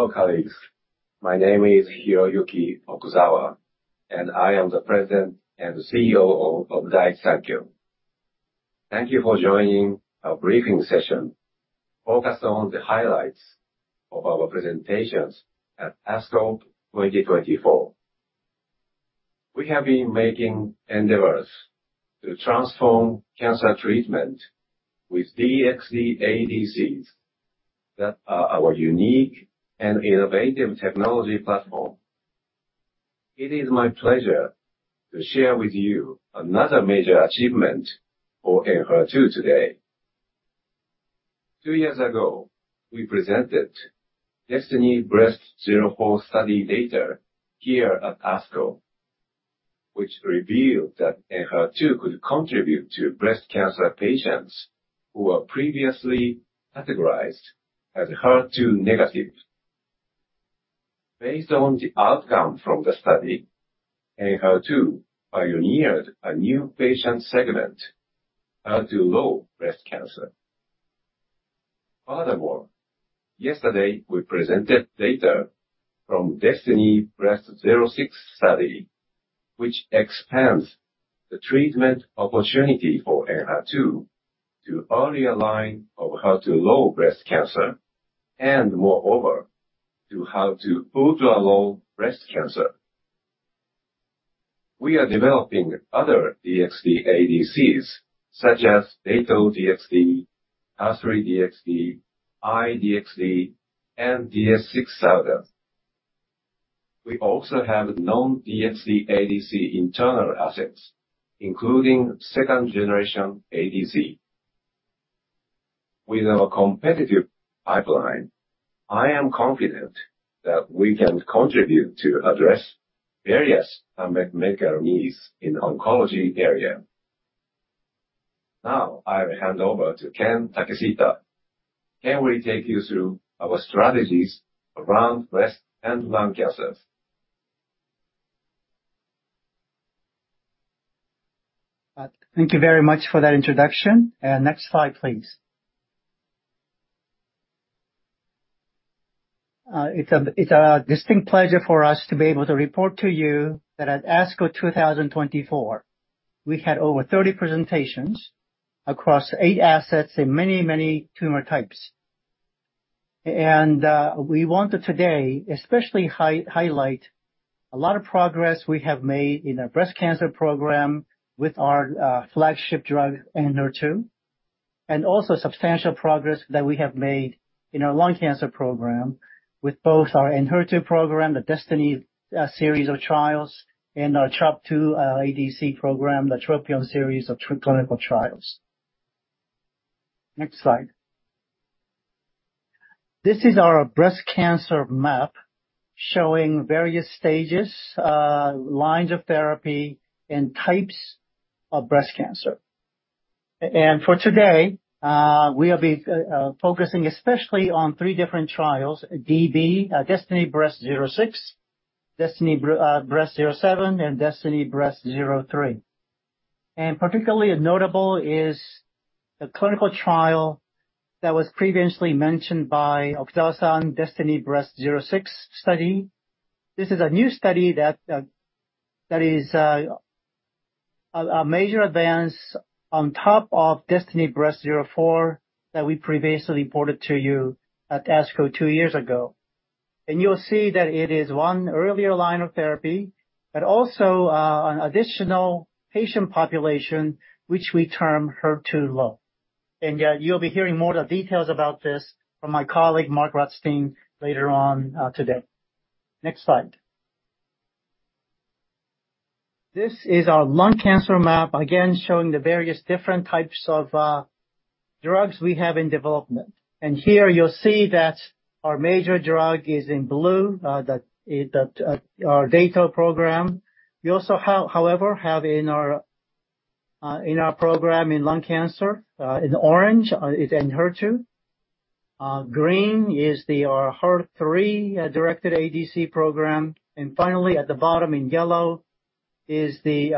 Hello, colleagues. My name is Hiroyuki Okuzawa, and I am the President and CEO of Daiichi Sankyo. Thank you for joining our briefing session, focused on the highlights of our presentations at ASCO 2024. We have been making endeavors to transform cancer treatment with DXd ADCs that are our unique and innovative technology platform. It is my pleasure to share with you another major achievement for Enhertu today. Two years ago, we presented DESTINY-Breast04 study data here at ASCO, which revealed that Enhertu could contribute to breast cancer patients who were previously categorized as HER2 negative. Based on the outcome from the study, Enhertu pioneered a new patient segment, HER2-low breast cancer. Furthermore, yesterday, we presented data from DESTINY-Breast06 study, which expands the treatment opportunity for Enhertu to earlier line of HER2-low breast cancer, and moreover, to HER2-ultralow breast cancer. We are developing other DXd ADCs, such as Dato-DXd, HER3-DXd, I-DXd, and DS-6000. We also have known DXd ADC internal assets, including second generation ADC. With our competitive pipeline, I am confident that we can contribute to address various unmet medical needs in oncology area. Now, I will hand over to Ken Takeshita, and we take you through our strategies around breast and lung cancers. Thank you very much for that introduction, and next slide, please. It's a distinct pleasure for us to be able to report to you that at ASCO 2024, we had over 30 presentations across 8 assets in many, many tumor types. We want to, today, especially highlight a lot of progress we have made in our breast cancer program with our flagship drug, Enhertu, and also substantial progress that we have made in our lung cancer program, with both our Enhertu program, the DESTINY series of trials, and our TROP2 ADC program, the TROPION series of clinical trials. Next slide. This is our breast cancer map, showing various stages, lines of therapy and types of breast cancer. And for today, we'll be focusing especially on three different trials, DB, DESTINY-Breast06, DESTINY-Breast07, and DESTINY-Breast03. And particularly notable is the clinical trial that was previously mentioned by Okazawa-san, DESTINY-Breast06 study. This is a new study that is a major advance on top of DESTINY-Breast04, that we previously reported to you at ASCO two years ago. And you'll see that it is one earlier line of therapy, but also an additional patient population, which we term HER2-low. And you'll be hearing more of the details about this from my colleague, Mark Rutstein, later on today. Next slide. This is our lung cancer map, again, showing the various different types of drugs we have in development. And here you'll see that our major drug is in blue, that is, that, our Dato program. We also have, however, have in our, in our program in lung cancer, in orange, is Enhertu. Green is the, our HER3-directed ADC program. And finally, at the bottom in yellow is the,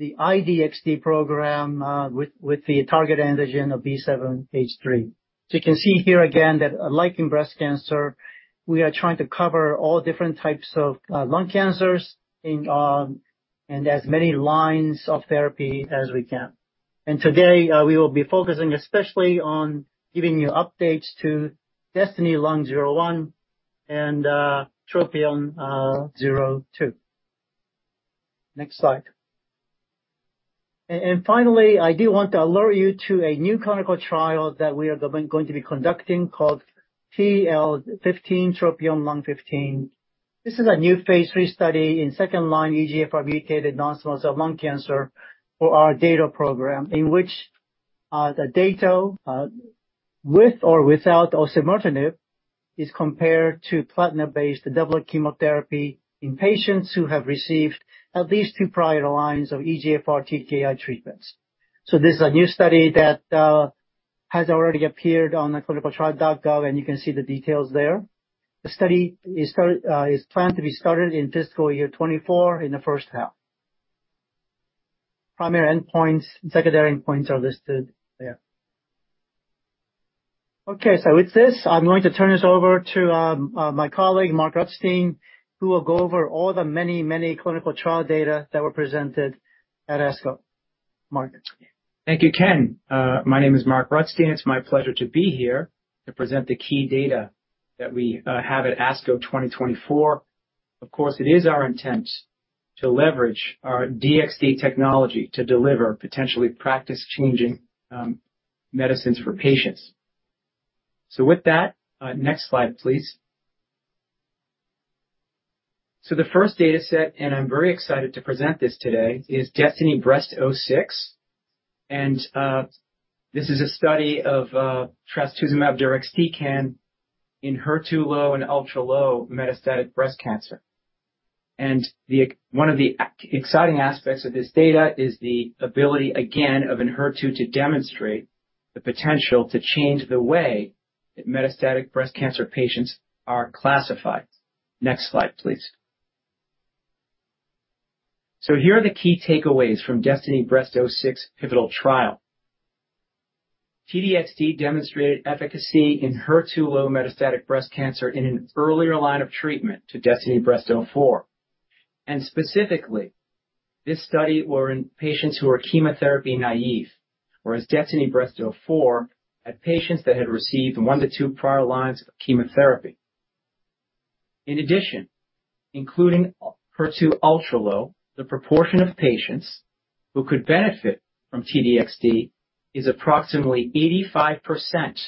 the I-DXd program, with, with the target antigen of B7-H3. So you can see here again that like in breast cancer, we are trying to cover all different types of, lung cancers in, and as many lines of therapy as we can. And today, we will be focusing especially on giving you updates to DESTINY-Lung01 and, TROPION-Lung02. Next slide. And finally, I do want to alert you to a new clinical trial that we are going to be conducting called TROPION-Lung15. This is a new phase 3 study in second-line EGFR-mutated non-small cell lung cancer for our Dato program, in which the Dato, with or without osimertinib, is compared to platinum-based doublet chemotherapy who have received at least 2 prior lines of EGFR TKI treatments. So this is a new study that has already appeared on ClinicalTrials.gov, and you can see the details there. The study is planned to be started in fiscal year 2024, in the first half. Primary endpoints and secondary endpoints are listed there. Okay, so with this, I'm going to turn this over to my colleague, Mark Rutstein, who will go over all the many, many clinical trial data that were presented at ASCO. Mark? Thank you, Ken. My name is Mark Rutstein. It's my pleasure to be here to present the key data that we have at ASCO 2024. Of course, it is our intent to leverage our DXd technology to deliver potentially practice-changing medicines for patients. So with that, next slide, please. So the first dataset, and I'm very excited to present this today, is DESTINY-Breast06, and this is a study of trastuzumab deruxtecan in HER2-low and HER2-ultralow metastatic breast cancer. And the exciting aspects of this data is the ability, again, of Enhertu to demonstrate the potential to change the way that metastatic breast cancer patients are classified. Next slide, please. So here are the key takeaways from DESTINY-Breast06 pivotal trial. T-DXd demonstrated efficacy in HER2-low metastatic breast cancer in an earlier line of treatment to DESTINY-Breast04. Specifically, this study were in patients who are chemotherapy naive, whereas DESTINY-Breast04 had patients that had received 1-2 prior lines of chemotherapy. In addition, including HER2-ultralow, the proportion of patients who could benefit from T-DXd is approximately 85%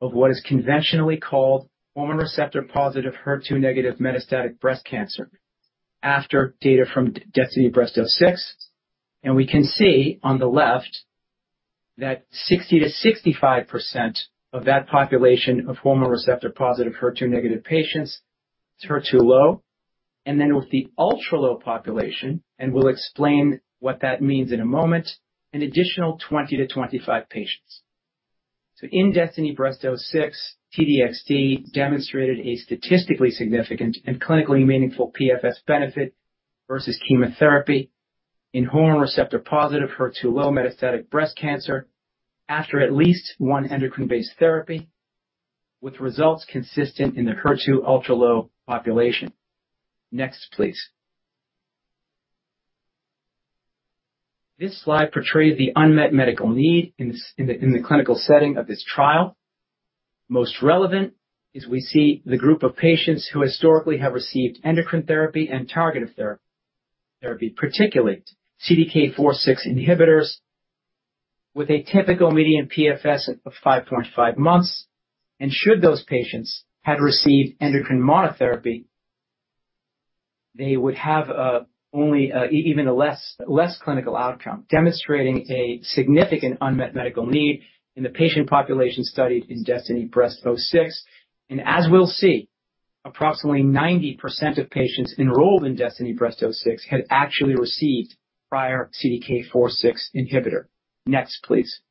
of what is conventionally called hormone receptor-positive, HER2 negative metastatic breast cancer after data from DESTINY-Breast06. We can see on the left that 60%-65% of that population of hormone receptor-positive, HER2 negative patients is HER2-low, and then with the ultra-low population, and we'll explain what that means in a moment, an additional 20-25 patients. So in DESTINY-Breast06, T-DXd demonstrated a statistically significant and clinically meaningful PFS benefit versus chemotherapy in hormone receptor-positive, HER2-low metastatic breast cancer after at least one endocrine-based therapy, with results consistent in the HER2-ultralow population. Next, please. This slide portrays the unmet medical need in this clinical setting of this trial. Most relevant is we see the group of patients who historically have received endocrine therapy and targeted therapy, particularly CDK4/6 inhibitors, with a typical median PFS of 5.5 months. And should those patients have received endocrine monotherapy, they would have only an even less clinical outcome, demonstrating a significant unmet medical need in the patient population studied in DESTINY-Breast06. And as we'll see, approximately 90% of patients enrolled in DESTINY-Breast06 had actually received prior CDK4/6 inhibitor. Next, please.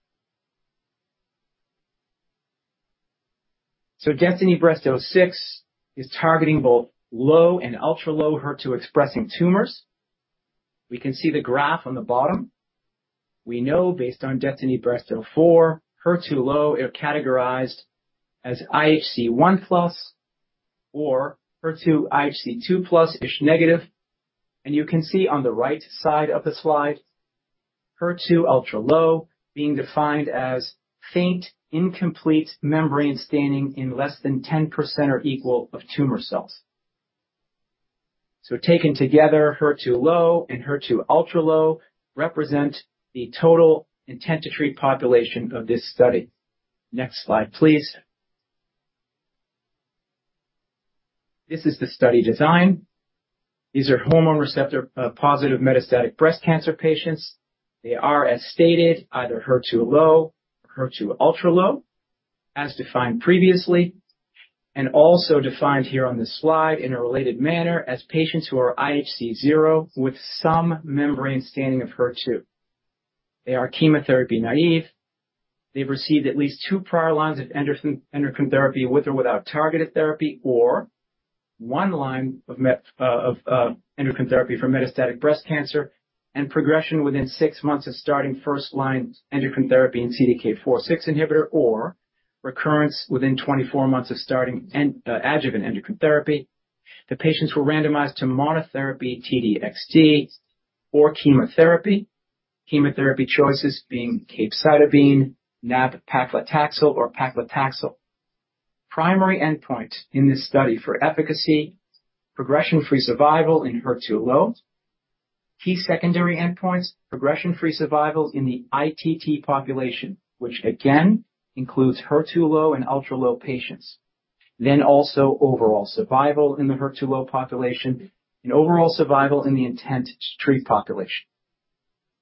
So DESTINY-Breast06 is targeting both low and ultra-low HER2-expressing tumors. We can see the graph on the bottom. We know based on DESTINY-Breast04, HER2-low are categorized as IHC 1+ or HER2 IHC 2+, ISH negative. And you can see on the right side of the slide, HER2-ultralow being defined as faint, incomplete membrane staining in less than 10% or equal of tumor cells. So taken together, HER2-low and HER2-ultralow represent the total intent-to-treat population of this study. Next slide, please. This is the study design. These are hormone receptor-positive metastatic breast cancer patients. They are, as stated, either HER2-low or HER2-ultralow, as defined previously, and also defined here on this slide in a related manner, as patients who are IHC 0 with some membrane staining of HER2. They are chemotherapy-naive. They've received at least two prior lines of endocrine therapy, with or without targeted therapy, or one line of endocrine therapy for metastatic breast cancer and progression within six months of starting first-line endocrine therapy and CDK4/6 inhibitor, or recurrence within 24 months of starting adjuvant endocrine therapy. The patients were randomized to monotherapy T-DXd or chemotherapy. Chemotherapy choices being capecitabine, nab-paclitaxel, or paclitaxel. Primary endpoint in this study for efficacy: progression-free survival in HER2-low. Key secondary endpoints: progression-free survival in the ITT population, which again includes HER2-low and ultra-low patients. Then also overall survival in the HER2-low population and overall survival in the intent to treat population.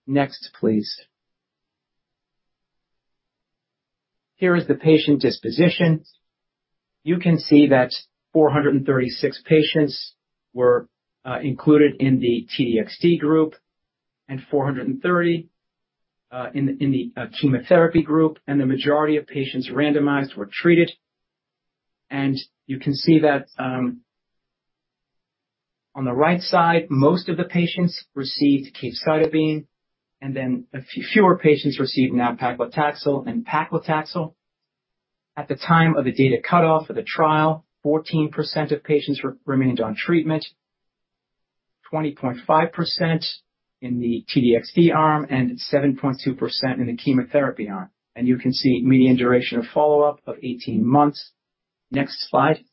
Next, please. Here is the patient disposition. You can see that 436 patients were included in the T-DXd group and 430 in the chemotherapy group, and the majority of patients randomized were treated. And you can see that. On the right side, most of the patients received capecitabine, and then a few, fewer patients received nab-paclitaxel and paclitaxel. At the time of the data cutoff of the trial, 14% of patients remained on treatment, 20.5% in the T-DXd arm, and 7.2% in the chemotherapy arm. And you can see median duration of follow-up of 18 months. Next slide.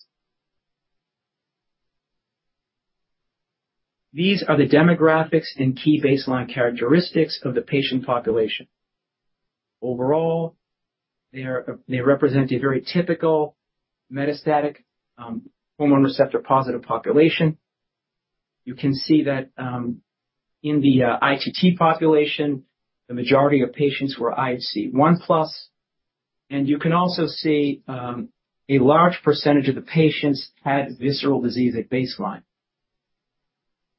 These are the demographics and key baseline characteristics of the patient population. Overall, they are. They represent a very typical metastatic hormone receptor-positive population. You can see that in the ITT population, the majority of patients were IHC 1+, and you can also see a large percentage of the patients had visceral disease at baseline.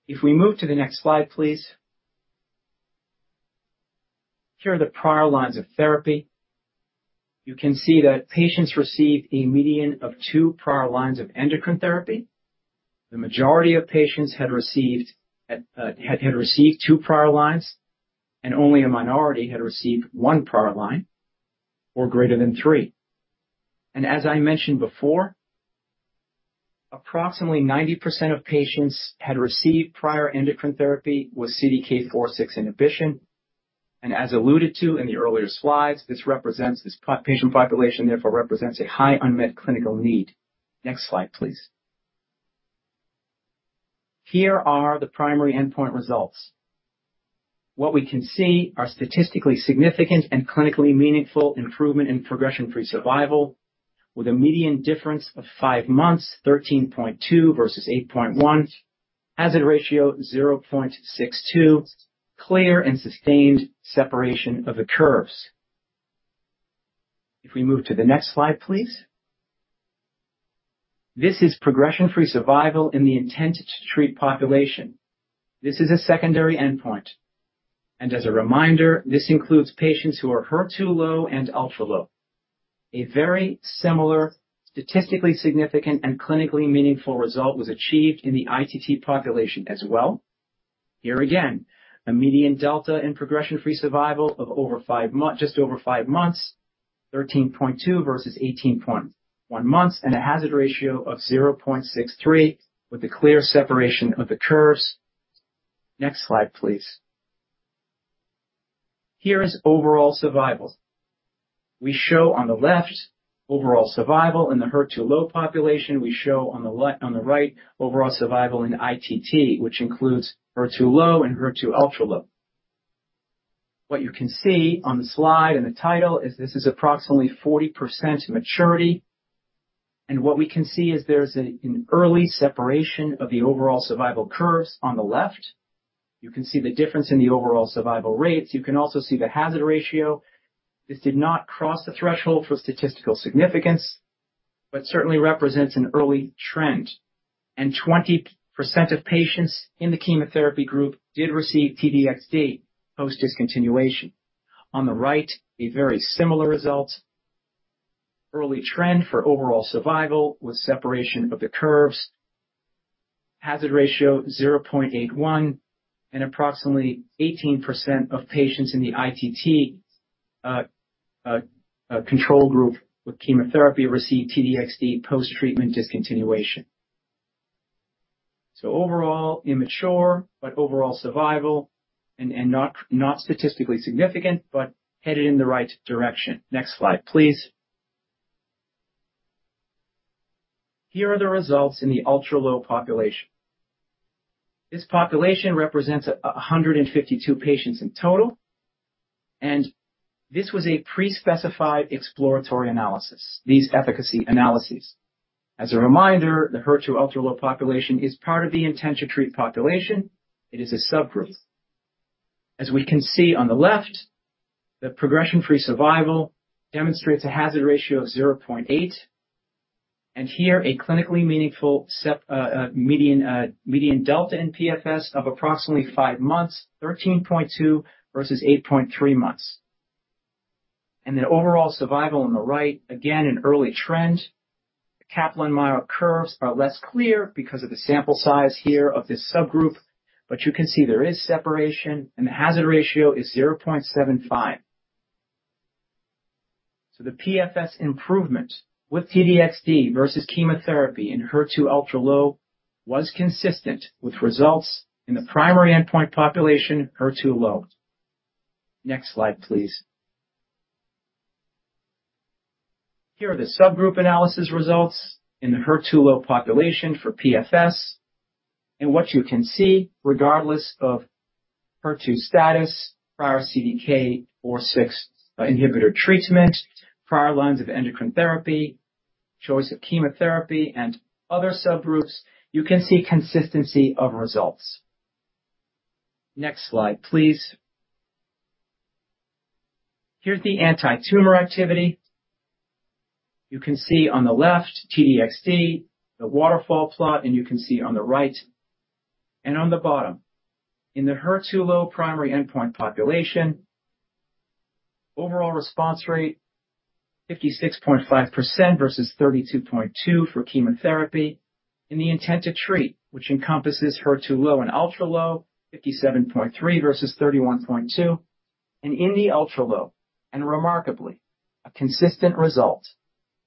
If we move to the next slide, please. Here are the prior lines of therapy. You can see that patients received a median of two prior lines of endocrine therapy. The majority of patients had received two prior lines, and only a minority had received one prior line or greater than three. As I mentioned before, approximately 90% of patients had received prior endocrine therapy with CDK 4/6 inhibition. As alluded to in the earlier slides, this patient population, therefore, represents a high unmet clinical need. Next slide, please. Here are the primary endpoint results. What we can see are statistically significant and clinically meaningful improvement in progression-free survival, with a median difference of 5 months, 13.2 versus 8.1, hazard ratio 0.62, clear and sustained separation of the curves. If we move to the next slide, please. This is progression-free survival in the intent-to-treat population. This is a secondary endpoint, and as a reminder, this includes patients who are HER2-low and ultra-low. A very similar, statistically significant and clinically meaningful result was achieved in the ITT population as well. Here again, a median delta in progression-free survival of over 5 months, just over 5 months, 13.2 versus 18.1 months, and a hazard ratio of 0.63, with a clear separation of the curves. Next slide, please. Here is overall survival. We show on the left overall survival in the HER2-low population. We show on the right overall survival in ITT, which includes HER2-low and HER2-ultralow. What you can see on the slide and the title is this is approximately 40% maturity, and what we can see is there's an early separation of the overall survival curves on the left. You can see the difference in the overall survival rates. You can also see the hazard ratio. This did not cross the threshold for statistical significance, but certainly represents an early trend. 20% of patients in the chemotherapy group did receive T-DXd post-discontinuation. On the right, a very similar result. Early trend for overall survival with separation of the curves. Hazard ratio 0.81, and approximately 18% of patients in the ITT control group with chemotherapy received T-DXd post-treatment discontinuation. So overall, immature, but overall survival and not statistically significant, but headed in the right direction. Next slide, please. Here are the results in the ultra-low population. This population represents 152 patients in total, and this was a pre-specified exploratory analysis, these efficacy analyses. As a reminder, the HER2-ultralow population is part of the intent-to-treat population. It is a subgroup. As we can see on the left, the progression-free survival demonstrates a hazard ratio of 0.8, and here a clinically meaningful median delta in PFS of approximately 5 months, 13.2 versus 8.3 months. And the overall survival on the right, again, an early trend. The Kaplan-Meier curves are less clear because of the sample size here of this subgroup, but you can see there is separation, and the hazard ratio is 0.75. So the PFS improvement with T-DXd versus chemotherapy in HER2-ultralow was consistent with results in the primary endpoint population, HER2-low. Next slide, please. Here are the subgroup analysis results in the HER2-low population for PFS. And what you can see, regardless of HER2 status, prior CDK4/6 inhibitor treatment, prior lines of endocrine therapy, choice of chemotherapy, and other subgroups, you can see consistency of results. Next slide, please. Here's the anti-tumor activity. You can see on the left, T-DXd, the waterfall plot, and you can see on the right and on the bottom. In the HER2-low primary endpoint population-... Overall response rate, 56.5% versus 32.2% for chemotherapy, and the intent to treat, which encompasses HER2-low and ultra low, 57.3% versus 31.2%, and in the ultra low, and remarkably, a consistent result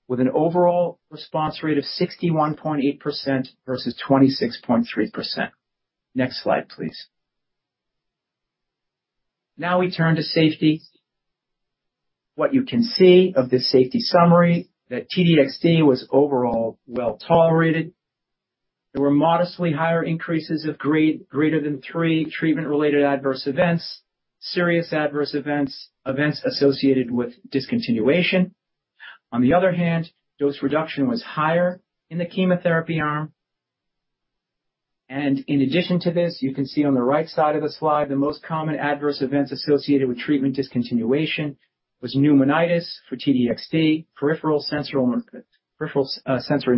with an overall response rate of 61.8% versus 26.3%. Next slide, please. Now we turn to safety. What you can see of this safety summary, that T-DXd was overall well tolerated. There were modestly higher increases of grade greater than 3 treatment-related adverse events, serious adverse events, events associated with discontinuation. On the other hand, dose reduction was higher in the chemotherapy arm. And in addition to this, you can see on the right side of the slide, the most common adverse events associated with treatment discontinuation was pneumonitis for T-DXd, peripheral sensory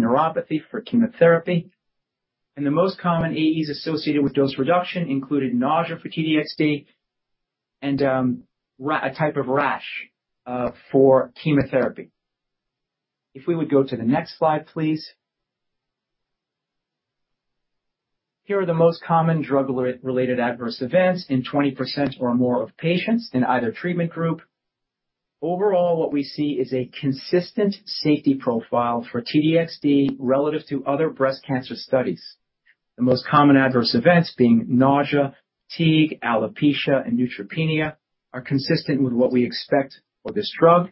neuropathy for chemotherapy. The most common AEs associated with dose reduction included nausea for T-DXd and a type of rash for chemotherapy. If we would go to the next slide, please. Here are the most common drug-related adverse events in 20% or more of patients in either treatment group. Overall, what we see is a consistent safety profile for T-DXd relative to other breast cancer studies. The most common adverse events being nausea, fatigue, alopecia, and neutropenia, are consistent with what we expect for this drug.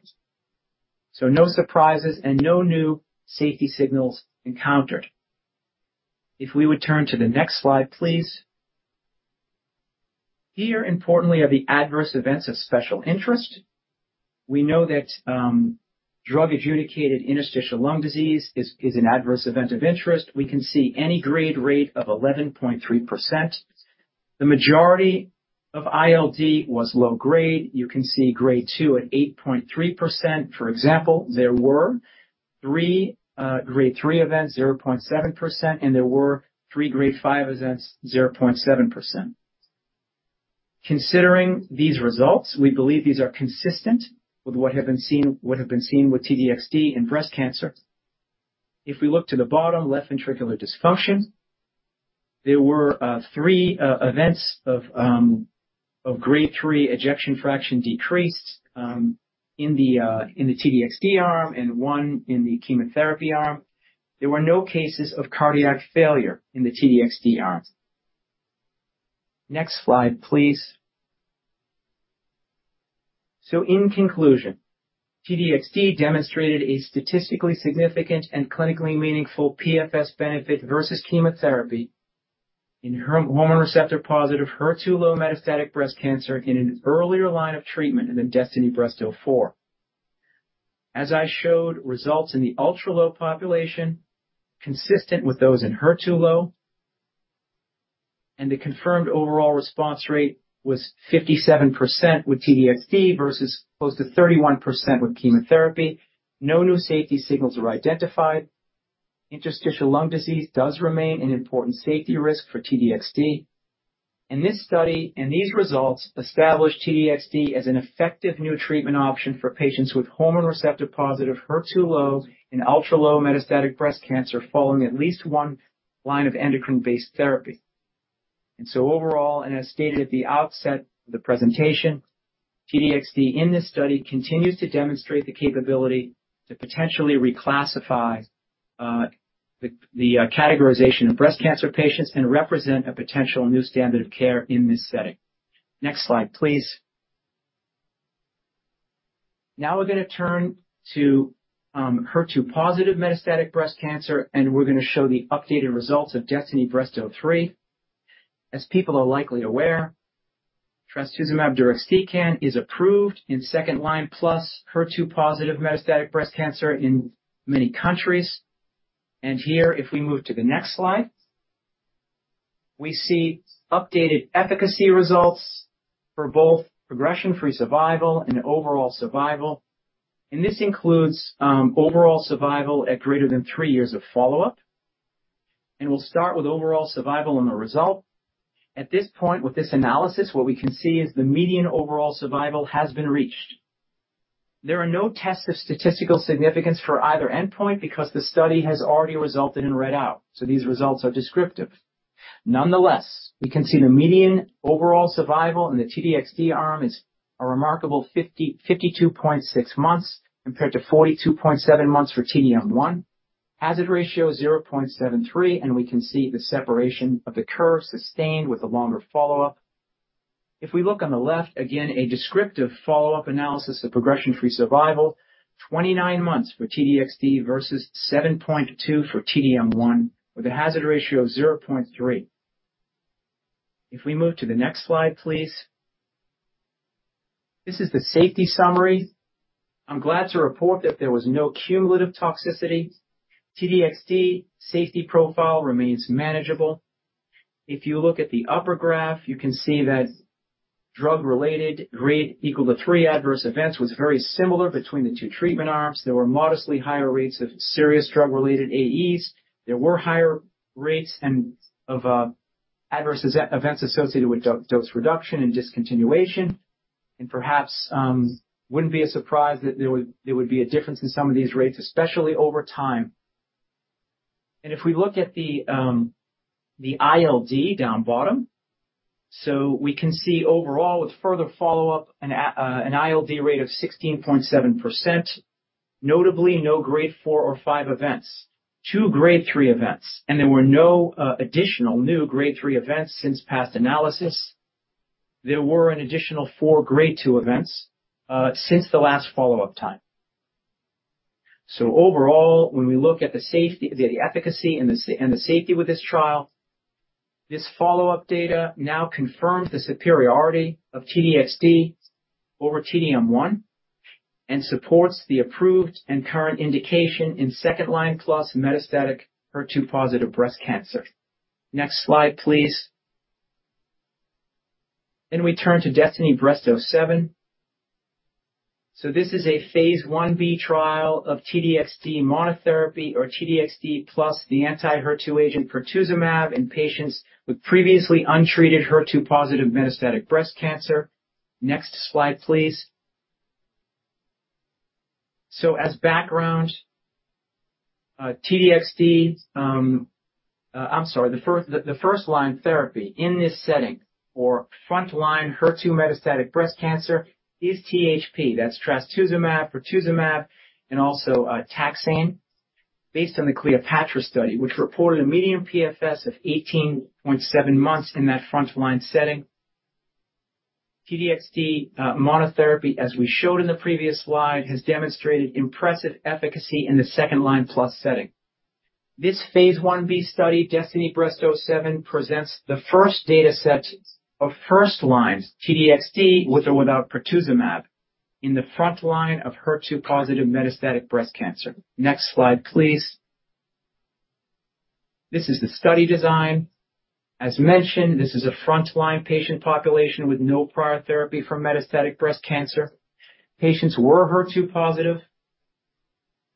So no surprises and no new safety signals encountered. If we would turn to the next slide, please. Here, importantly, are the adverse events of special interest. We know that adjudicated drug-related interstitial lung disease is an adverse event of interest. We can see any grade rate of 11.3%. The majority of ILD was low grade. You can see grade two at 8.3%. For example, there were three grade three events, 0.7%, and there were three grade five events, 0.7%. Considering these results, we believe these are consistent with what would have been seen with T-DXd in breast cancer. If we look to the bottom, left ventricular dysfunction, there were three events of grade three ejection fraction decreased in the T-DXd arm and one in the chemotherapy arm. There were no cases of cardiac failure in the T-DXd arm. Next slide, please. So in conclusion, T-DXd demonstrated a statistically significant and clinically meaningful PFS benefit versus chemotherapy in hormone receptor-positive, HER2-low metastatic breast cancer in an earlier line of treatment in the DESTINY-Breast04. As I showed, results in the ultra-low population consistent with those in HER2-low, and the confirmed overall response rate was 57% with T-DXd versus close to 31% with chemotherapy. No new safety signals were identified. Interstitial lung disease does remain an important safety risk for T-DXd. And this study and these results establish T-DXd as an effective new treatment option for patients with hormone receptor-positive, HER2-low and ultra-low metastatic breast cancer following at least one line of endocrine-based therapy. And so overall, and as stated at the outset of the presentation, T-DXd in this study continues to demonstrate the capability to potentially reclassify the categorization of breast cancer patients and represent a potential new standard of care in this setting. Next slide, please. Now we're gonna turn to HER2-positive metastatic breast cancer, and we're gonna show the updated results of DESTINY-Breast03. As people are likely aware, trastuzumab deruxtecan is approved in second-line plus HER2-positive metastatic breast cancer in many countries. Here, if we move to the next slide, we see updated efficacy results for both progression-free survival and overall survival. This includes overall survival at greater than three years of follow-up. We'll start with overall survival and the result. At this point, with this analysis, what we can see is the median overall survival has been reached. There are no tests of statistical significance for either endpoint because the study has already resulted in readout, so these results are descriptive. Nonetheless, we can see the median overall survival in the T-DXd arm is a remarkable 52.6 months, compared to 42.7 months for T-DM1. Hazard ratio 0.73, and we can see the separation of the curves sustained with a longer follow-up. If we look on the left, again, a descriptive follow-up analysis of progression-free survival, 29 months for T-DXd versus 7.2 for T-DM1, with a hazard ratio of 0.3. If we move to the next slide, please. This is the safety summary. I'm glad to report that there was no cumulative toxicity. T-DXd safety profile remains manageable. If you look at the upper graph, you can see that drug-related grade equal to 3 adverse events was very similar between the two treatment arms. There were modestly higher rates of serious drug-related AEs. There were higher rates and of adverse events associated with dose, dose reduction and discontinuation, and perhaps, wouldn't be a surprise that there would, there would be a difference in some of these rates, especially over time. If we look at the ILD down bottom, so we can see overall with further follow-up, an ILD rate of 16.7%. Notably, no Grade 4 or 5 events, 2 Grade 3 events, and there were no additional new Grade 3 events since past analysis. There were an additional 4 Grade 2 events since the last follow-up time. So overall, when we look at the efficacy and the safety with this trial, this follow-up data now confirms the superiority of T-DXd over T-DM1, and supports the approved and current indication in second-line plus metastatic HER2-positive breast cancer. Next slide, please. Then we turn to DESTINY-Breast07. So this is a phase 1b trial of T-DXd monotherapy or T-DXd plus the anti-HER2 agent pertuzumab in patients with previously untreated HER2-positive metastatic breast cancer. Next slide, please. So as background, the first-line therapy in this setting or frontline HER2 metastatic breast cancer is THP. That's trastuzumab, pertuzumab, and also taxane. Based on the CLEOPATRA study, which reported a median PFS of 18.7 months in that frontline setting. T-DXd, monotherapy, as we showed in the previous slide, has demonstrated impressive efficacy in the second-line plus setting. This phase 1b study, DESTINY-Breast07, presents the first data set of first-line T-DXd, with or without pertuzumab, in the frontline of HER2-positive metastatic breast cancer. Next slide, please. This is the study design. As mentioned, this is a frontline patient population with no prior therapy for metastatic breast cancer. Patients were HER2-positive.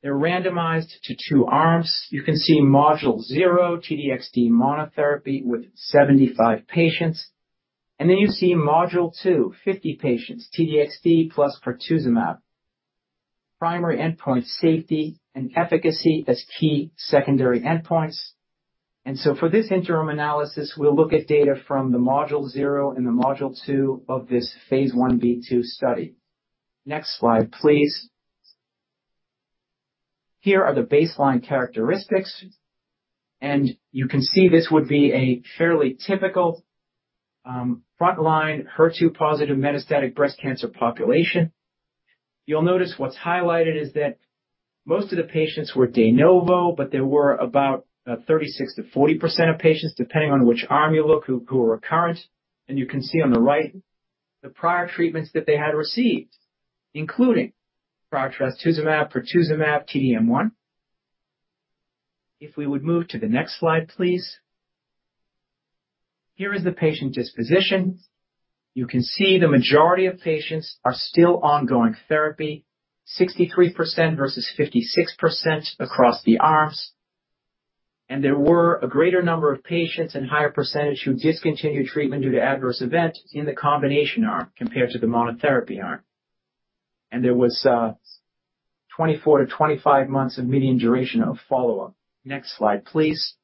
They're randomized to two arms. You can see Module 0, T-DXd monotherapy with 75 patients, and then you see Module 2, 50 patients, T-DXd plus pertuzumab. Primary endpoint: safety and efficacy as key secondary endpoints. And so for this interim analysis, we'll look at data from the Module 0 and the Module 2 of this phase 1b/2 study. Next slide, please. Here are the baseline characteristics, and you can see this would be a fairly typical frontline HER2-positive metastatic breast cancer population. You'll notice what's highlighted is that most of the patients were de novo, but there were about 36%-40% of patients, depending on which arm you look, who were recurrent. And you can see on the right, the prior treatments that they had received, including prior trastuzumab, pertuzumab, T-DM1. If we would move to the next slide, please. Here is the patient disposition. You can see the majority of patients are still ongoing therapy, 63% versus 56% across the arms, and there were a greater number of patients and higher percentage who discontinued treatment due to adverse event in the combination arm compared to the monotherapy arm. And there was 24-25 months of median duration of follow-up. Next slide, please.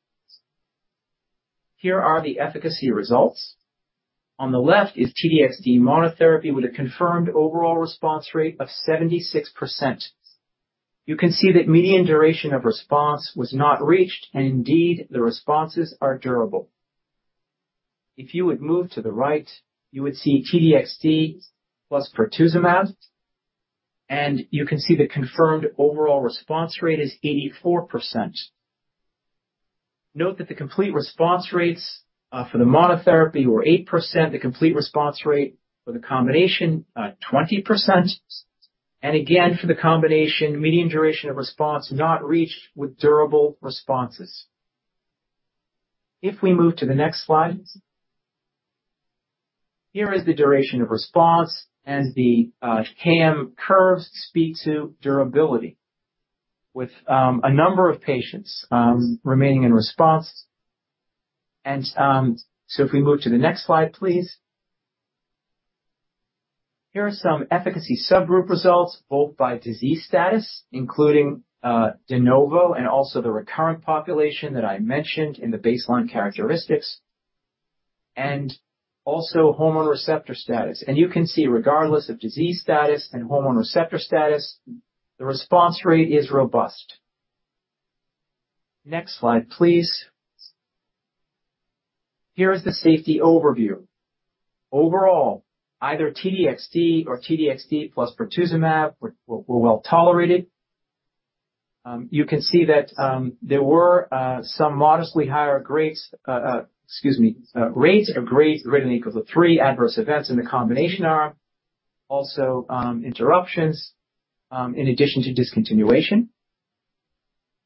Here are the efficacy results. On the left is T-DXd monotherapy with a confirmed overall response rate of 76%. You can see that median duration of response was not reached, and indeed, the responses are durable. If you would move to the right, you would see T-DXd plus pertuzumab, and you can see the confirmed overall response rate is 84%. Note that the complete response rates for the monotherapy were 8%, the complete response rate for the combination 20%. And again, for the combination, median duration of response not reached with durable responses. If we move to the next slide, here is the duration of response and the CAM curves speak to durability with a number of patients remaining in response. And so if we move to the next slide, please. Here are some efficacy subgroup results, both by disease status, including de novo and also the recurrent population that I mentioned in the baseline characteristics, and also hormone receptor status. You can see, regardless of disease status and hormone receptor status, the response rate is robust. Next slide, please. Here is the safety overview. Overall, either T-DXd or T-DXd plus pertuzumab were well tolerated. You can see that there were some modestly higher grades, excuse me, rates or grades greater than or equal to 3 adverse events in the combination arm. Also, interruptions in addition to discontinuation.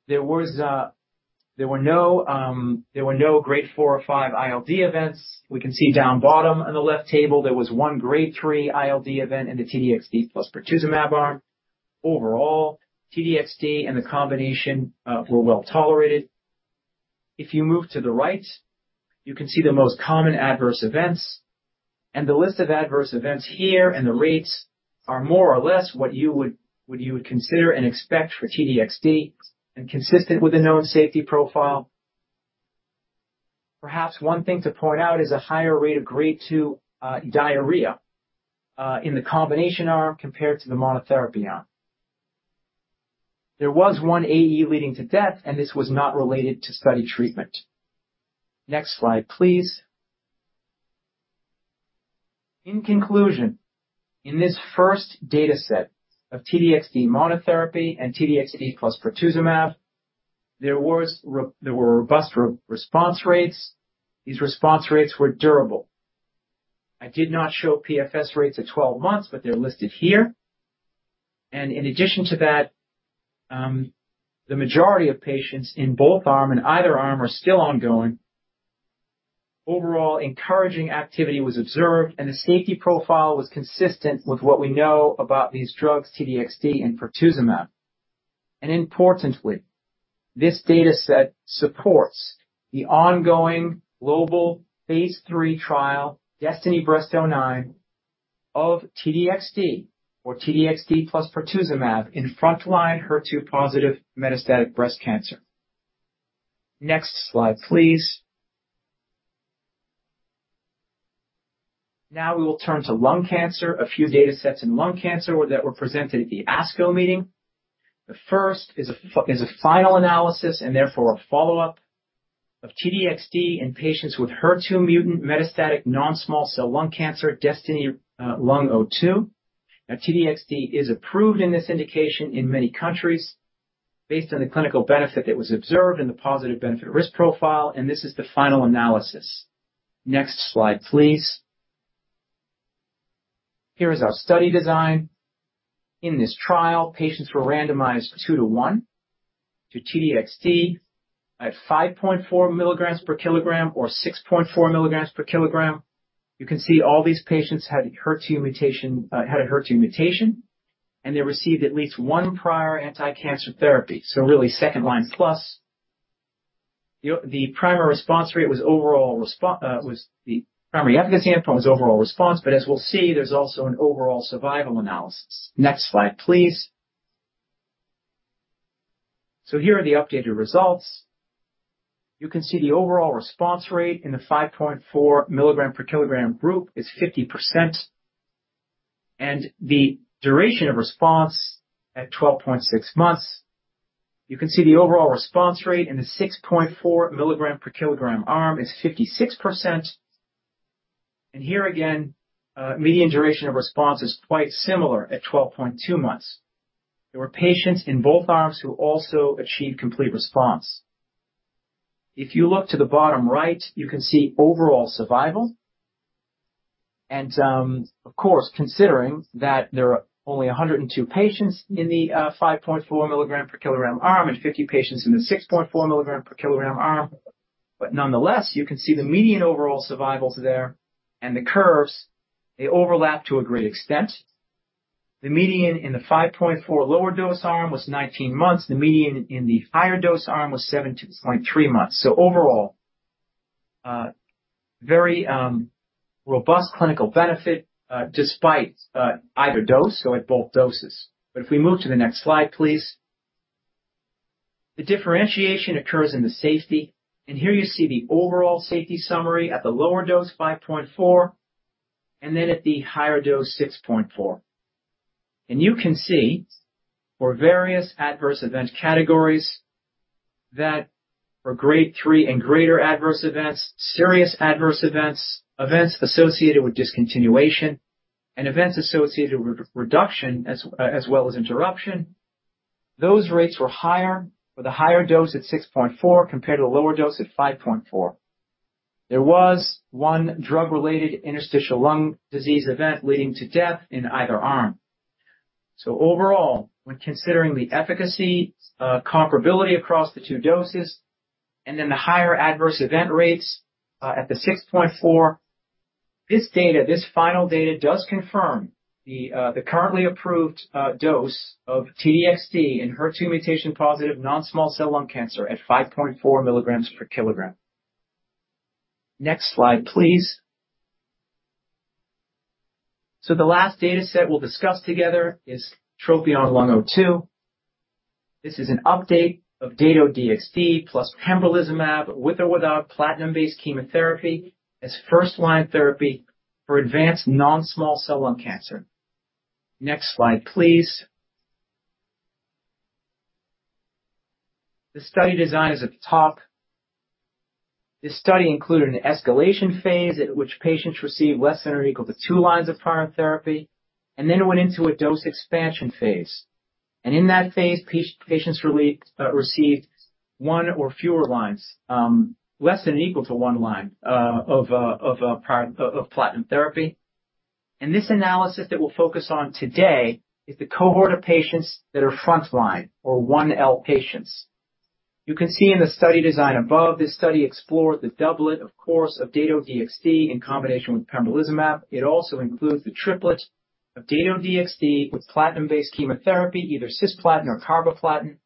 There were no Grade 4 or 5 ILD events. We can see down bottom on the left table, there was one Grade 3 ILD event in the T-DXd plus pertuzumab arm. Overall, T-DXd and the combination were well tolerated. If you move to the right, you can see the most common adverse events. The list of adverse events here, and the rates, are more or less what you would consider and expect for T-DXd and consistent with the known safety profile. Perhaps one thing to point out is a higher rate of grade two diarrhea in the combination arm compared to the monotherapy arm. There was one AE leading to death, and this was not related to study treatment. Next slide, please. In conclusion, in this first data set of T-DXd monotherapy and T-DXd plus pertuzumab, there were robust response rates. These response rates were durable. I did not show PFS rates at 12 months, but they're listed here. In addition to that, the majority of patients in both arm and either arm are still ongoing. Overall, encouraging activity was observed, and the safety profile was consistent with what we know about these drugs, T-DXd and pertuzumab. Importantly, this data set supports the ongoing global phase 3 trial, DESTINY-Breast09, of T-DXd or T-DXd plus pertuzumab in frontline HER2-positive metastatic breast cancer. Next slide, please. Now we will turn to lung cancer. A few data sets in lung cancer were presented at the ASCO meeting. The first is a final analysis, and therefore a follow-up, of T-DXd in patients with HER2-mutant metastatic non-small cell lung cancer, DESTINY-Lung02. Now, T-DXd is approved in this indication in many countries based on the clinical benefit that was observed and the positive benefit risk profile, and this is the final analysis. Next slide, please. Here is our study design. In this trial, patients were randomized 2-to-1 to T-DXd at 5.4 milligrams per kilogram or 6.4 milligrams per kilogram. You can see all these patients had a HER2 mutation, and they received at least one prior anticancer therapy, so really second line plus. The primary efficacy endpoint was overall response, but as we'll see, there's also an overall survival analysis. Next slide, please. So here are the updated results. You can see the overall response rate in the 5.4 milligram per kilogram group is 50%, and the duration of response at 12.6 months. You can see the overall response rate in the 6.4 milligram per kilogram arm is 56%. And here again, median duration of response is quite similar at 12.2 months. There were patients in both arms who also achieved complete response. If you look to the bottom right, you can see overall survival. And, of course, considering that there are only 102 patients in the 5.4 milligram per kilogram arm and 50 patients in the 6.4 milligram per kilogram arm, but nonetheless, you can see the median overall survivals there and the curves. They overlap to a great extent. The median in the 5.4 lower dose arm was 19 months. The median in the higher dose arm was 17.3 months. So overall, very robust clinical benefit, despite either dose or at both doses. But if we move to the next slide, please. The differentiation occurs in the safety, and here you see the overall safety summary at the lower dose, 5.4, and then at the higher dose, 6.4. And you can see for various adverse event categories that for grade 3 and greater adverse events, serious adverse events, events associated with discontinuation, and events associated with reduction, as well as interruption, those rates were higher for the higher dose at 6.4 compared to the lower dose at 5.4. There was one drug-related interstitial lung disease event leading to death in either arm. So overall, when considering the efficacy, comparability across the two doses, and then the higher adverse event rates at the 6.4, this data, this final data does confirm the currently approved dose of T-DXd in HER2 mutation-positive, non-small cell lung cancer at 5.4 milligrams per kilogram. Next slide, please. So the last data set we'll discuss together is TROPION-Lung02. This is an update of Dato-DXd plus pembrolizumab, with or without platinum-based chemotherapy, as first-line therapy for advanced non-small cell lung cancer. Next slide, please. The study design is at the top. This study included an escalation phase, at which patients received less than or equal to two lines of prior therapy, and then it went into a dose expansion phase. And in that phase, patients received one or fewer lines, less than or equal to one line, of prior platinum therapy. And this analysis that we'll focus on today is the cohort of patients that are frontline or 1L patients. You can see in the study design above, this study explored the doublet, of course, of Dato-DXd in combination with pembrolizumab. It also includes the triplet of Dato-DXd with platinum-based chemotherapy, either cisplatin or carboplatin,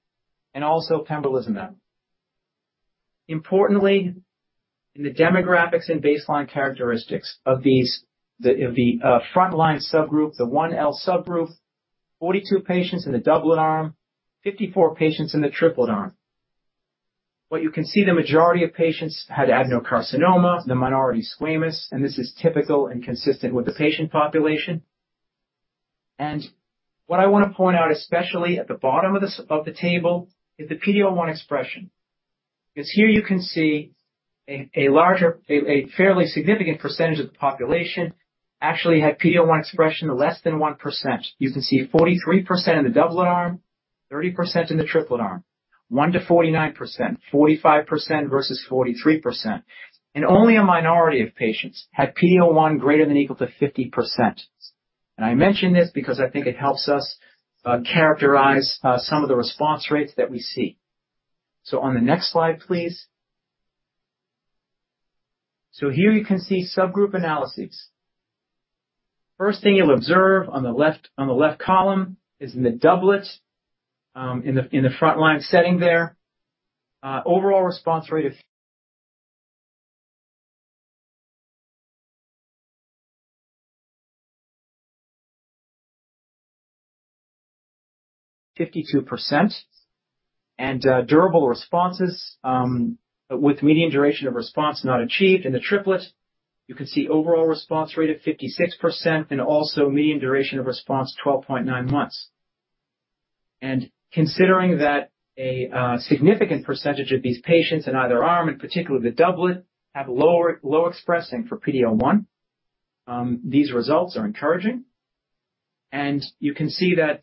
and also pembrolizumab. Importantly, in the demographics and baseline characteristics of these, of the frontline subgroup, the 1L subgroup, 42 patients in the doublet arm, 54 patients in the triplet arm. What you can see, the majority of patients had adenocarcinoma, the minority squamous, and this is typical and consistent with the patient population. What I want to point out, especially at the bottom of the s- of the table, is the PD-L1 expression. Because here you can see a larger, a fairly significant percentage of the population actually had PD-L1 expression of less than 1%. You can see 43% in the doublet arm, 30% in the triplet arm, 1%-49%, 45% versus 43%. And only a minority of patients had PD-L1 greater than or equal to 50%. And I mention this because I think it helps us characterize some of the response rates that we see. So on the next slide, please. So here you can see subgroup analyses. First thing you'll observe on the left, on the left column, is in the doublet, in the frontline setting there, overall response rate of 52% and, durable responses, with median duration of response not achieved. In the triplet, you can see overall response rate of 56% and also median duration of response, 12.9 months. And considering that a significant percentage of these patients in either arm, in particular the doublet, have low expressing for PD-L1, these results are encouraging. And you can see that,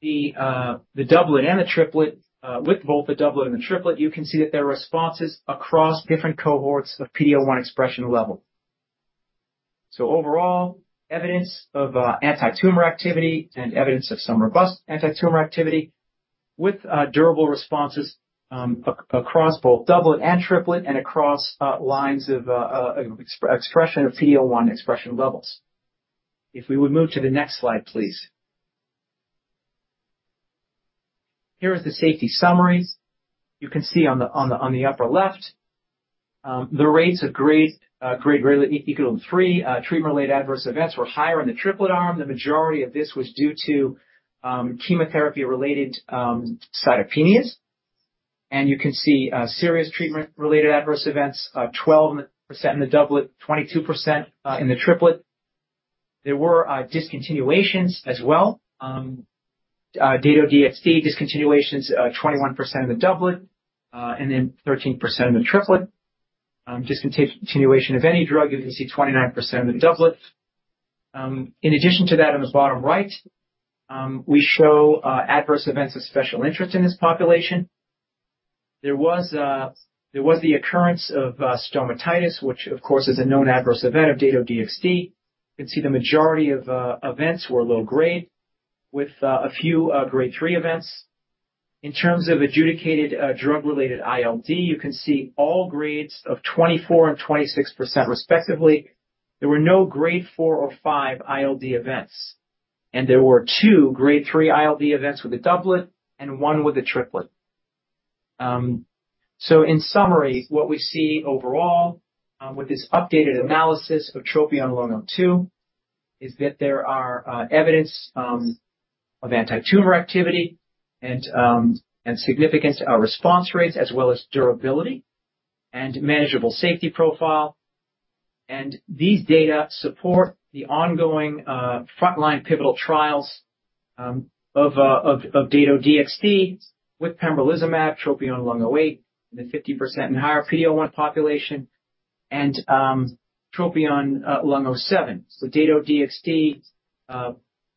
the doublet and the triplet, with both the doublet and the triplet, you can see that there are responses across different cohorts of PD-L1 expression level. So overall, evidence of antitumor activity and evidence of some robust antitumor activity with durable responses, across both doublet and triplet and across lines of expression of PD-L1 expression levels. If we would move to the next slide, please. Here is the safety summaries. You can see on the upper left, the rates of grade greater than or equal to three. Treatment-related adverse events were higher in the triplet arm. The majority of this was due to chemotherapy-related cytopenias. And you can see serious treatment-related adverse events, 12% in the doublet, 22% in the triplet. There were discontinuations as well. Dato-DXd discontinuations, 21% in the doublet, and then 13% in the triplet. Discontinuation of any drug, you can see 29% in the doublet. In addition to that, on the bottom right, we show adverse events of special interest in this population. There was the occurrence of stomatitis, which of course is a known adverse event of Dato-DXd. You can see the majority of events were low grade, with a few grade three events. In terms of adjudicated drug-related ILD, you can see all grades of 24% and 26% respectively. There were no grade four or five ILD events, and there were 2 grade three ILD events with a doublet and 1 with a triplet. So in summary, what we see overall, with this updated analysis of TROPION-Lung02, is that there are, evidence, of antitumor activity and, and significant, response rates, as well as durability and manageable safety profile. And these data support the ongoing, frontline pivotal trials, of, of Dato-DXd with pembrolizumab, TROPION-Lung08, in the 50% and higher PD-L1 population, and, TROPION-Lung07. So Dato-DXd,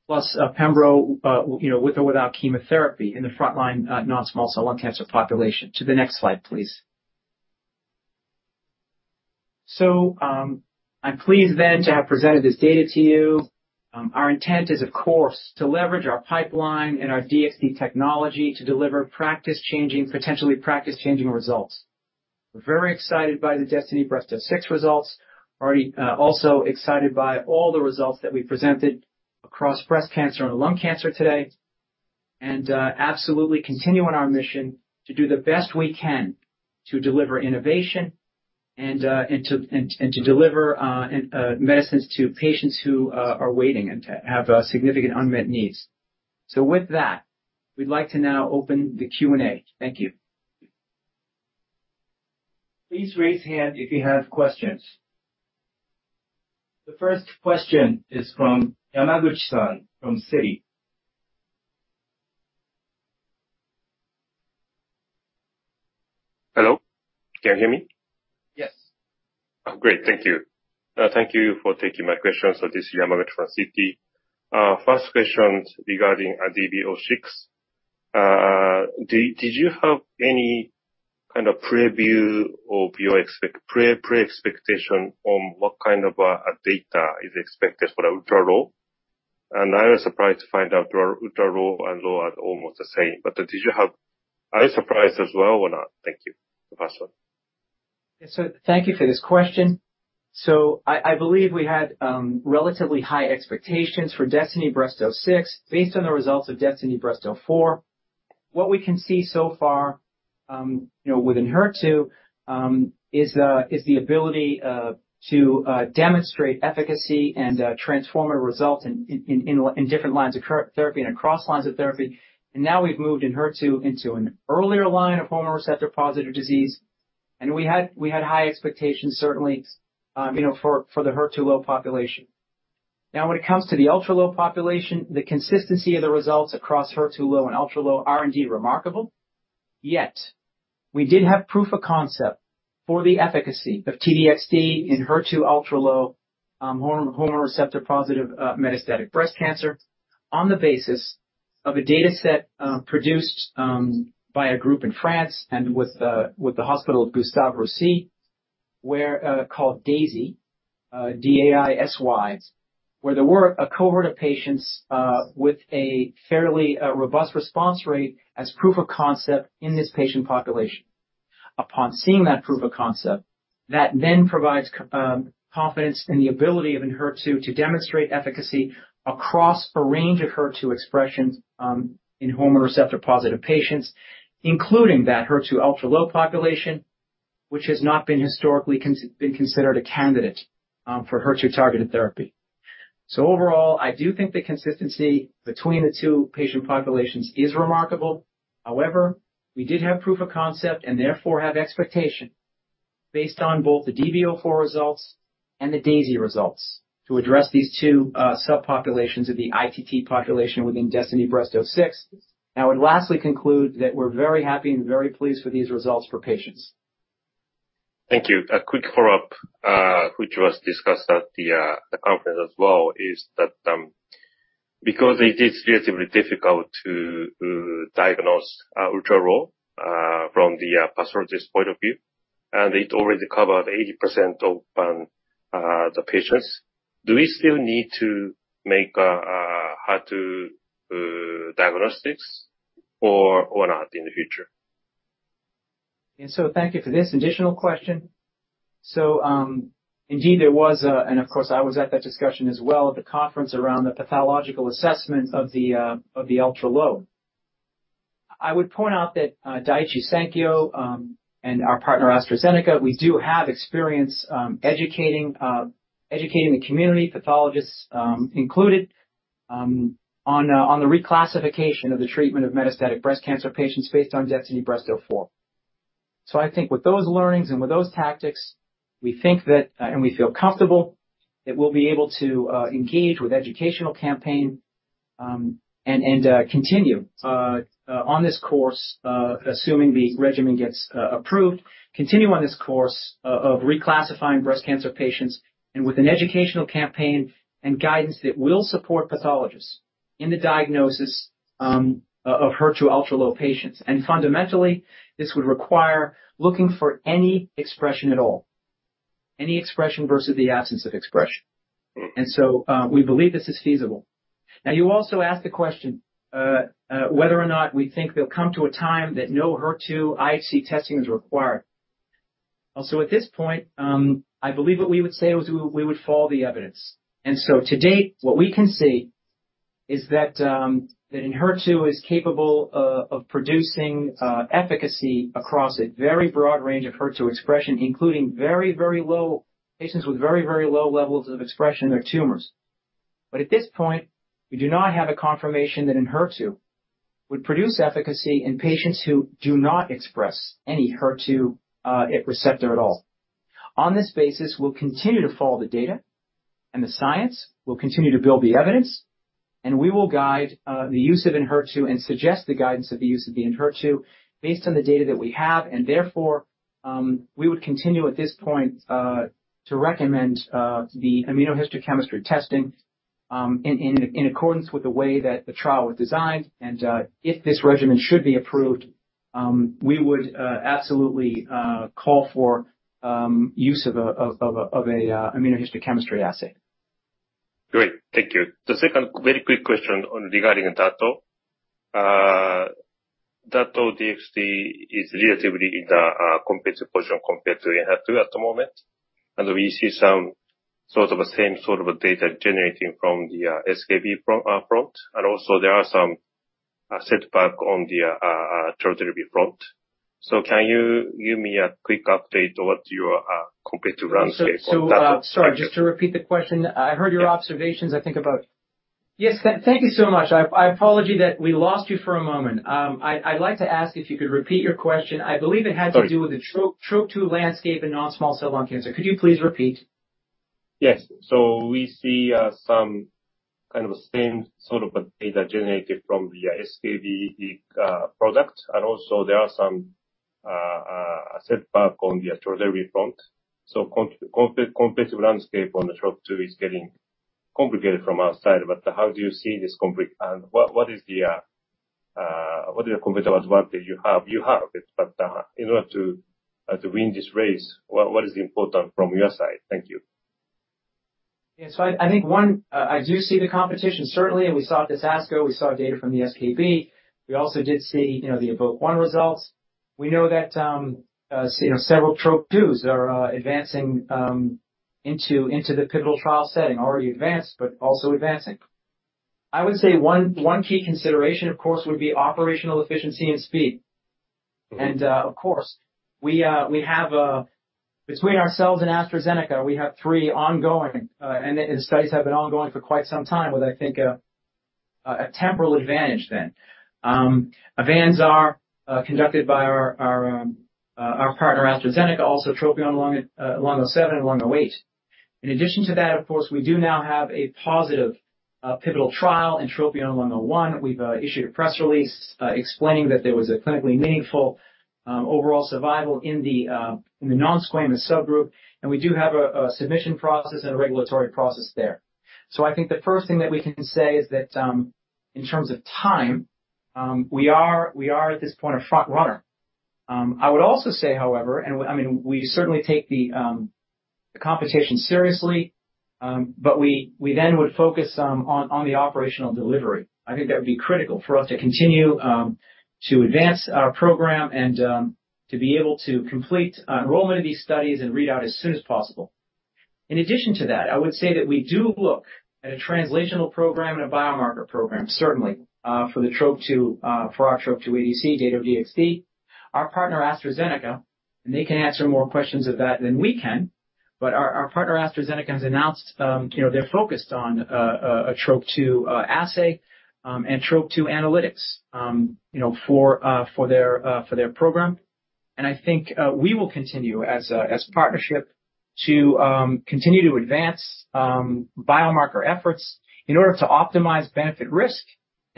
plus, pembro, you know, with or without chemotherapy in the frontline, non-small cell lung cancer population. To the next slide, please. So, I'm pleased then to have presented this data to you. Our intent is, of course, to leverage our pipeline and our DXd technology to deliver practice-changing, potentially practice-changing results. We're very excited by the DESTINY-Breast06 results, already also excited by all the results that we presented across breast cancer and lung cancer today, and absolutely continue on our mission to do the best we can to deliver innovation and to deliver medicines to patients who are waiting and have significant unmet needs. So with that, we'd like to now open the Q&A. Thank you. Please raise hand if you have questions. The first question is from Yamaguchi-san from Citi. Hello, can you hear me? Yes. Oh, great. Thank you. Thank you for taking my questions. So this is Yamaguchi from Citi. First question regarding DB06. Did you have any kind of preview or pre-expectation on what kind of data is expected for Enhertu? And I was surprised to find out there are ultra low and low are almost the same, but are you surprised as well or not? Thank you, the last one. So thank you for this question. I believe we had relatively high expectations for DESTINY-Breast06, based on the results of DESTINY-Breast04. What we can see so far, you know, within HER2, is the ability to demonstrate efficacy and transform our results in different lines of current therapy and across lines of therapy. Now we've moved, in HER2, into an earlier line of hormone receptor-positive disease. We had high expectations, certainly, you know, for the HER2-low population. Now, when it comes to the ultra low population, the consistency of the results across HER2-low and ultra low are indeed remarkable. Yet, we did have proof of concept for the efficacy of T-DXd in HER2-ultralow hormone receptor-positive metastatic breast cancer, on the basis of a dataset produced by a group in France and with the Hospital of Gustave Roussy, called DAISY, D-A-I-S-Y, where there were a cohort of patients with a fairly robust response rate as proof of concept in this patient population. Upon seeing that proof of concept, that then provides confidence in the ability of Enhertu to demonstrate efficacy across a range of HER2 expressions in hormone receptor-positive patients, including that HER2-ultralow population, which has not been historically considered a candidate for HER2-targeted therapy. So overall, I do think the consistency between the two patient populations is remarkable. However, we did have proof of concept, and therefore, have expectation based on both the DB-04 results and the DAISY results to address these two subpopulations of the ITT population within DESTINY-Breast06. I would lastly conclude that we're very happy and very pleased with these results for patients. Thank you. A quick follow-up, which was discussed at the conference as well, is that, because it is relatively difficult to diagnose ultra low from the pathologist's point of view, and it already covered 80% of the patients, do we still need to make a HER2 diagnostics or not in the future? Thank you for this additional question. Indeed, there was, and of course, I was at that discussion as well, at the conference around the pathological assessment of the ultra low. I would point out that Daiichi Sankyo and our partner AstraZeneca we do have experience educating the community, pathologists included, on the reclassification of the treatment of metastatic breast cancer patients based on DESTINY-Breast04. So I think with those learnings and with those tactics, we think that, and we feel comfortable that we'll be able to, engage with educational campaign, and, and, continue, on this course, assuming the regimen gets, approved, continue on this course of reclassifying breast cancer patients, and with an educational campaign and guidance that will support pathologists in the diagnosis, of HER2-ultralow patients. And fundamentally, this would require looking for any expression at all, any expression versus the absence of expression. And so, we believe this is feasible. Now, you also asked the question, whether or not we think there'll come to a time that no HER2 IHC testing is required. Also, at this point, I believe what we would say is we, we would follow the evidence. So to date, what we can see is that Enhertu is capable of producing efficacy across a very broad range of HER2 expression, including very, very low patients with very, very low levels of expression in their tumors. But at this point, we do not have a confirmation that Enhertu would produce efficacy in patients who do not express any HER2 receptor at all. On this basis, we'll continue to follow the data, and the science will continue to build the evidence, and we will guide the use of Enhertu and suggest the guidance of the use of Enhertu based on the data that we have. Therefore, we would continue, at this point, to recommend the immunohistochemistry testing in accordance with the way that the trial was designed. If this regimen should be approved, we would absolutely call for use of a immunohistochemistry assay. Great. Thank you. The second very quick question on regarding Dato-DXd. Dato-DXd is relatively in the competitive position compared to Enhertu at the moment, and we see some sort of a same sort of data generating from the SKB front, and also there are some setback on the therapy front. So can you give me a quick update on what your competitive landscape on that? Sorry, just to repeat the question. I heard your observations, I think, about... Yes, thank you so much. I apologize that we lost you for a moment. I'd like to ask if you could repeat your question. I believe it had to do with the TROP2 landscape in non-small cell lung cancer. Could you please repeat? Yes. So we see some kind of same sort of data generated from the SKB product, and also there are some setback on the therapy front. So competitive landscape on the Trop2 is getting complicated from our side, but how do you see this competitive, what, what is the, what are your competitive advantage you have? You have it, but, in order to, to win this race, what, what is important from your side? Thank you. Yeah, so I, I think one, I do see the competition, certainly, and we saw it this ASCO. We saw data from the SKB. We also did see, you know, the EVOKE-01 results. We know that, you know, several Trop-2s are advancing into the pivotal trial setting. Already advanced, but also advancing. I would say one key consideration, of course, would be operational efficiency and speed. And, of course, we have between ourselves and AstraZeneca, we have 3 ongoing, and the studies have been ongoing for quite some time, with, I think, a temporal advantage then. AVANZAR, conducted by our partner AstraZeneca, also TROPION-Lung07 and TROPION-Lung08. In addition to that, of course, we do now have a positive pivotal trial in TROPION-Lung01. We've issued a press release explaining that there was a clinically meaningful overall survival in the non-squamous subgroup, and we do have a submission process and a regulatory process there. So I think the first thing that we can say is that in terms of time we are at this point a front runner. I would also say, however, and I mean, we certainly take the competition seriously, but we then would focus on the operational delivery. I think that would be critical for us to continue to advance our program and to be able to complete enrollment in these studies and read out as soon as possible. In addition to that, I would say that we do look at a translational program and a biomarker program, certainly, for the TROP2, for our TROP2 ADC, Dato-DXd. Our partner, AstraZeneca, and they can answer more questions of that than we can, but our partner, AstraZeneca, has announced, you know, they're focused on, a TROP2 assay, and TROP2 analytics, you know, for their program. And I think, we will continue as a partnership to continue to advance biomarker efforts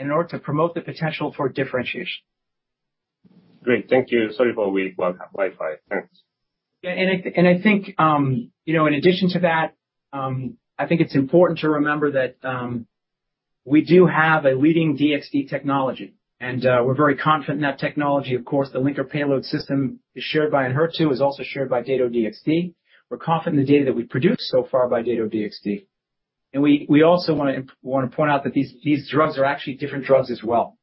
in order to optimize benefit risk, in order to promote the potential for differentiation. Great. Thank you. Sorry for weak Wi-Fi. Thanks. Yeah, and I think, you know, in addition to that, I think it's important to remember that, we do have a leading DXd technology, and, we're very confident in that technology. Of course, the linker payload system is shared by Enhertu, is also shared by Dato-DXd. We're confident in the data that we've produced so far by Dato-DXd, and we also wanna point out that these, these drugs are actually different drugs as well.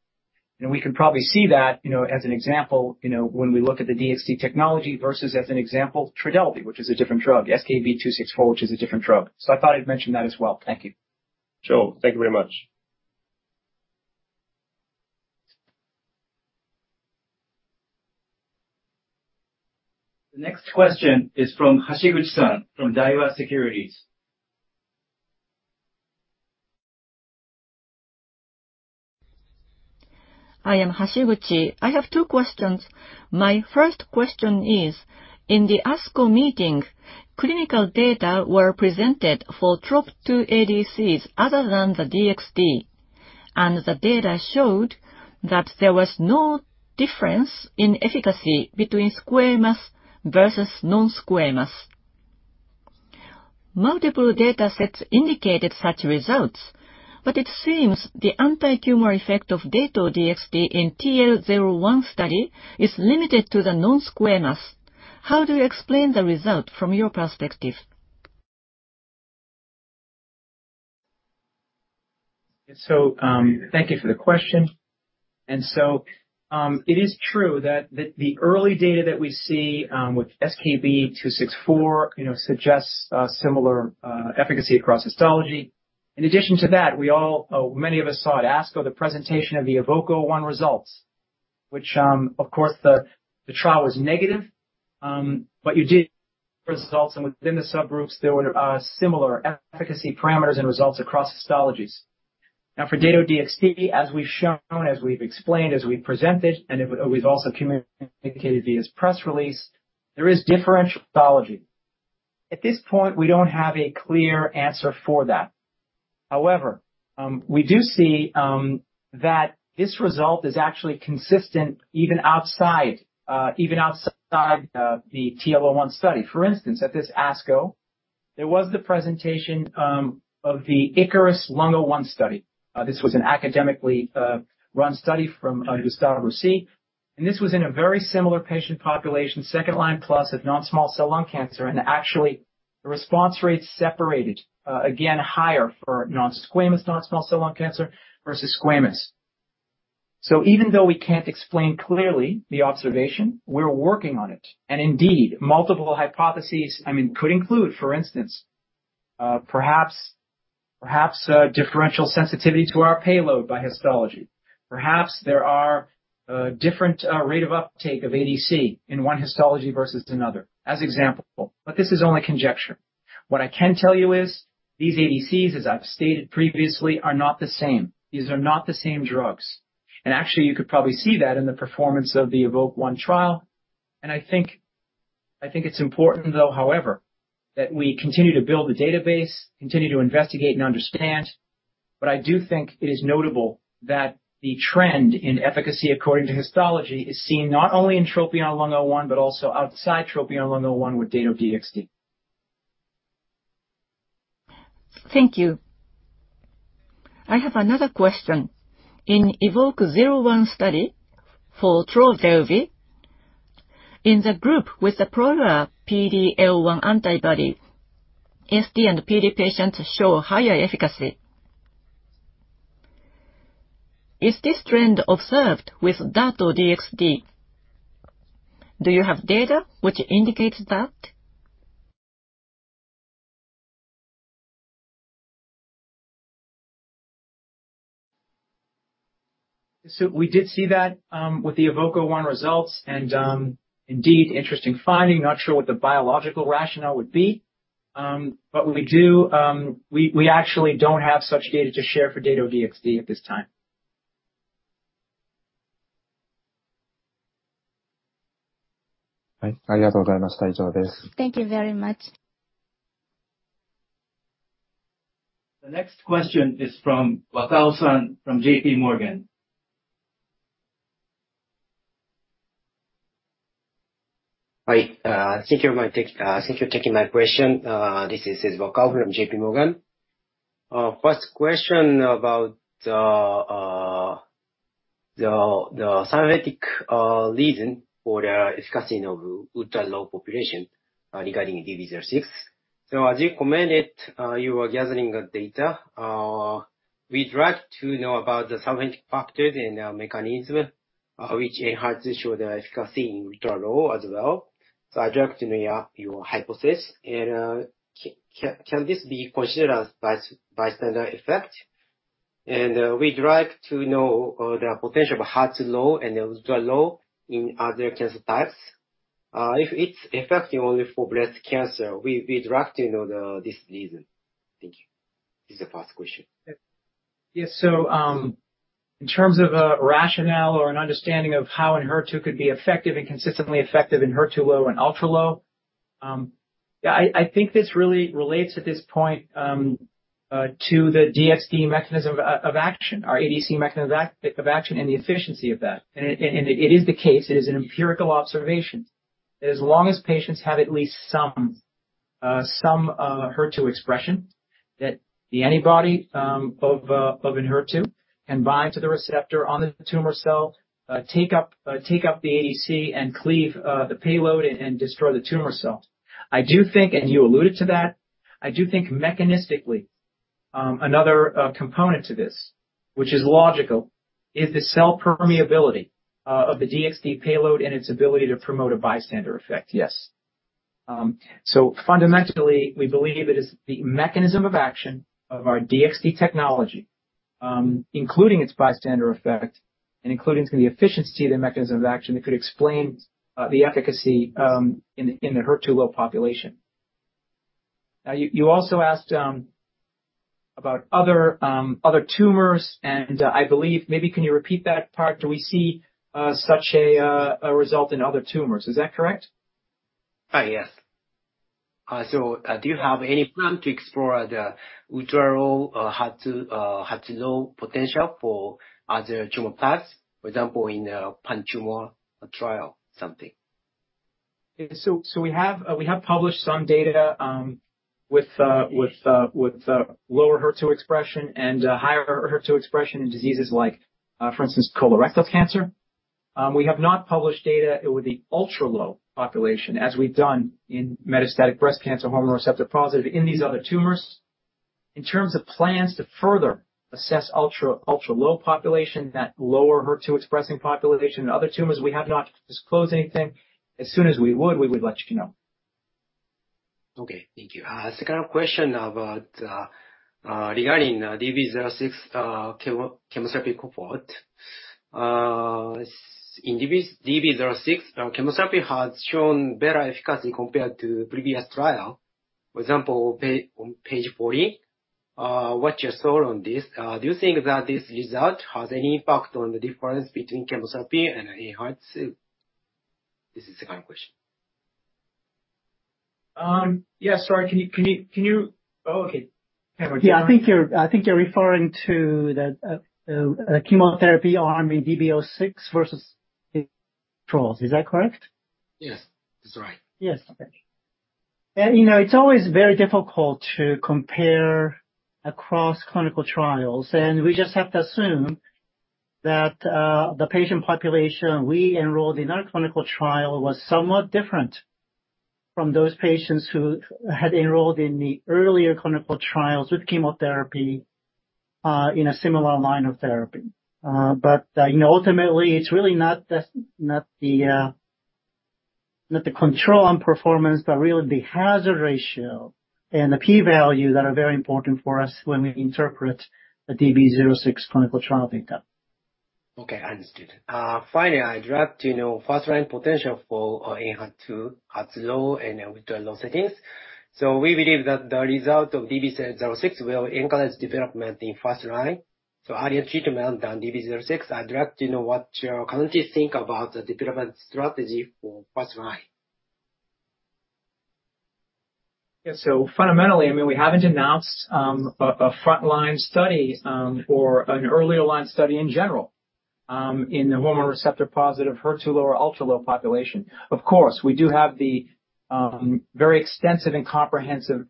And we can probably see that, you know, as an example, you know, when we look at the DXd technology versus, as an example, Trodelvy, which is a different drug, SKB-264, which is a different drug. So I thought I'd mention that as well. Thank you. Sure. Thank you very much. The next question is from Hashiguchi-san, from Daiwa Securities. I am Hashiguchi. I have two questions. My first question is, in the ASCO meeting, clinical data were presented for Trop-2 ADCs other than the DXd, and the data showed that there was no difference in efficacy between squamous versus non-squamous. Multiple datasets indicated such results, but it seems the antitumor effect of Dato-DXd in TROPION-Lung01 study is limited to the non-squamous. How do you explain the result from your perspective? So, thank you for the question. And so, it is true that the early data that we see with SKB-264, you know, suggests a similar efficacy across histology. In addition to that, we all, many of us saw at ASCO, the presentation of the EVOKE-01 results, which, of course, the trial was negative, but you did results, and within the subgroups, there were similar efficacy parameters and results across histologies. Now, for Dato-DXd, as we've shown, as we've explained, as we've presented, and we've also communicated via this press release, there is differential pathology. At this point, we don't have a clear answer for that. However, we do see that this result is actually consistent, even outside the TL01 study. For instance, at this ASCO, there was the presentation of the ICARUS-Lung01 study. This was an academically run study from Gustave Roussy, and this was in a very similar patient population, second line plus of non-small cell lung cancer, and actually, the response rates separated again, higher for non-squamous, non-small cell lung cancer versus squamous. So even though we can't explain clearly the observation, we're working on it, and indeed, multiple hypotheses, I mean, could include, for instance, perhaps, perhaps, differential sensitivity to our payload by histology. Perhaps there are a different rate of uptake of ADC in one histology versus another, as example, but this is only conjecture. What I can tell you is these ADCs, as I've stated previously, are not the same. These are not the same drugs, and actually, you could probably see that in the performance of the EVOKE-01 trial. I think, I think it's important, though, however, that we continue to build the database, continue to investigate and understand, but I do think it is notable that the trend in efficacy according to histology is seen not only in TROPION-Lung01, but also outside TROPION-Lung01 with Dato-DXd. ... Thank you. I have another question. In EVOKE-01 study for Trodelvy, in the group with the prior PD-L1 antibody, SD and PD patients show higher efficacy. Is this trend observed with Dato-DXd? Do you have data which indicates that? So we did see that with the EVOKE-01 results, and indeed, interesting finding. Not sure what the biological rationale would be, but we do, we actually don't have such data to share for Dato-DXd at this time. Thank you very much, Ijo desu. The next question is from Wakao-san, from J.P. Morgan. Hi, thank you for taking my question. This is Wakao from J.P. Morgan. First question about the scientific reason for the efficacy of ultra-low population regarding DB-06. So as you commented, you are gathering the data. We'd like to know about the scientific factors and mechanism which Enhertu show the efficacy in ultra low as well. So I'd like to know your hypothesis, and can this be considered as bystander effect? And we'd like to know the potential of HER2-low and ultra-low in other cancer types. If it's effective only for breast cancer, we'd like to know this reason. Thank you. This is the first question. Yes. So, in terms of a rationale or an understanding of how Enhertu could be effective and consistently effective in HER2-low and ultra-low, I think this really relates to this point, to the DXd mechanism of action, our ADC mechanism of action, and the efficiency of that. And it is the case, it is an empirical observation, that as long as patients have at least some HER2 expression, that the antibody of Enhertu can bind to the receptor on the tumor cell, take up the ADC and cleave the payload and destroy the tumor cell. I do think, and you alluded to that, I do think mechanistically, another component to this, which is logical, is the cell permeability of the DXd payload and its ability to promote a bystander effect, yes. So fundamentally, we believe it is the mechanism of action of our DXd technology, including its bystander effect, and including the efficiency of the mechanism of action, that could explain the efficacy in the HER2-low population. Now, you also asked about other tumors, and I believe maybe can you repeat that part? Do we see such a result in other tumors? Is that correct? Yes. So, do you have any plan to explore the ultra-low HER2 HER2-low potential for other tumor types, for example, in pan-tumor trial or something? So, we have published some data with lower HER2 expression and higher HER2 expression in diseases like, for instance, colorectal cancer. We have not published data with the ultra-low population, as we've done in metastatic breast cancer, hormone receptor-positive in these other tumors. In terms of plans to further assess ultra-low population, that lower HER2 expressing population in other tumors, we have not disclosed anything. As soon as we would, we would let you know. Okay, thank you. Second question about, regarding, DB-06, chemo, chemotherapy cohort. In DB, DB-06, chemotherapy has shown better efficacy compared to previous trial. For example, on page 40, what's your thought on this? Do you think that this result has any impact on the difference between chemotherapy and Enhertu? This is second question. Yes, sorry, can you? Oh, okay. Yeah, I think you're referring to the chemotherapy arm in DB-06 versus controls. Is that correct? Yes, that's right. Yes. Okay. And, you know, it's always very difficult to compare across clinical trials, and we just have to assume that the patient population we enrolled in our clinical trial was somewhat different from those patients who had enrolled in the earlier clinical trials with chemotherapy in a similar line of therapy. But, you know, ultimately, it's really not the control on performance, but really the hazard ratio and the P value that are very important for us when we interpret the DB-06 clinical trial data. Okay, understood. Finally, I'd like to know first-line potential for Enhertu, HER2-low and ultra-low settings. So we believe that the result of DB-06 will encourage development in first line, so earlier treatment on DB-06. I'd like to know what you currently think about the development strategy for first line. Yeah. So fundamentally, I mean, we haven't announced, a, a front-line study, or an earlier line study in general, in the hormone receptor-positive HER2-low or ultra-low population. Of course, we do have the, very extensive and comprehensive,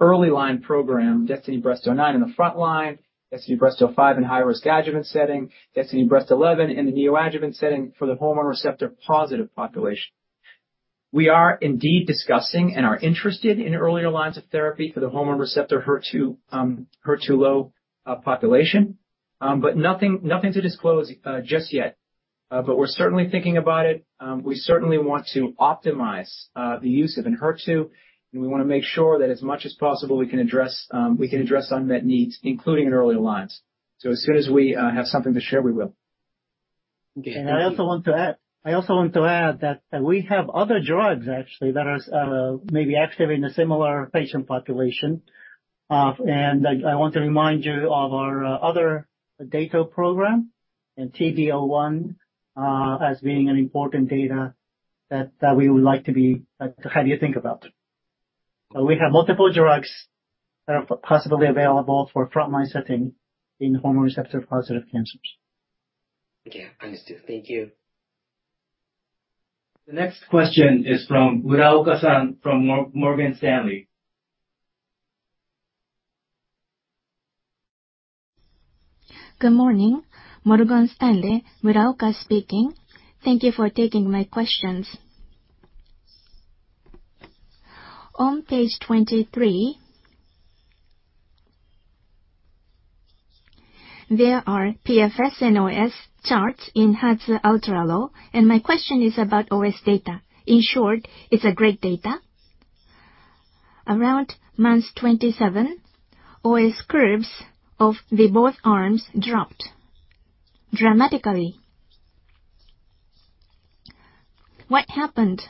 early line program, DESTINY-Breast09, in the front line, DESTINY-Breast05 in high-risk adjuvant setting, DESTINY-Breast11 in the neoadjuvant setting for the hormone receptor-positive population. We are indeed discussing and are interested in earlier lines of therapy for the hormone receptor HER2, HER2-low, population, but nothing, nothing to disclose, just yet. But we're certainly thinking about it. We certainly want to optimize, the use of Enhertu, and we wanna make sure that as much as possible, we can address, we can address unmet needs, including in earlier lines. So as soon as we have something to share, we will. I also want to add that we have other drugs actually that is maybe active in a similar patient population. And I want to remind you of our other Dato program in TROPION-Breast01 as being an important Dato that we would like to have you think about. We have multiple drugs that are possibly available for front-line setting in hormone receptor-positive cancers. Okay, understood. Thank you. The next question is from Muraoka-san from Morgan Stanley. Good morning, Morgan Stanley, Muraoka speaking. Thank you for taking my questions. On page 23, there are PFS and OS charts in HER2-ultralow, and my question is about OS data. In short, it's a great data. Around months 27, OS curves of the both arms dropped dramatically. What happened?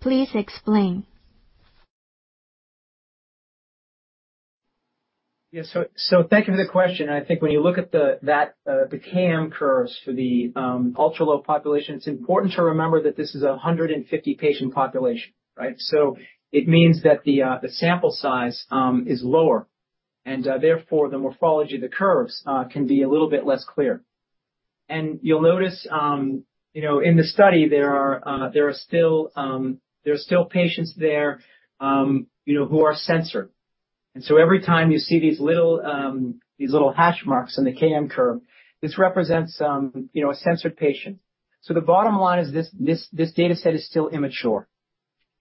Please explain. Yes, so thank you for the question. I think when you look at the KM curves for the ultralow population, it's important to remember that this is a 150-patient population, right? So it means that the sample size is lower, and therefore, the morphology of the curves can be a little bit less clear. And you'll notice, you know, in the study, there are still patients there, you know, who are censored. And so every time you see these little hash marks on the KM curve, this represents, you know, a censored patient. So the bottom line is this data set is still immature,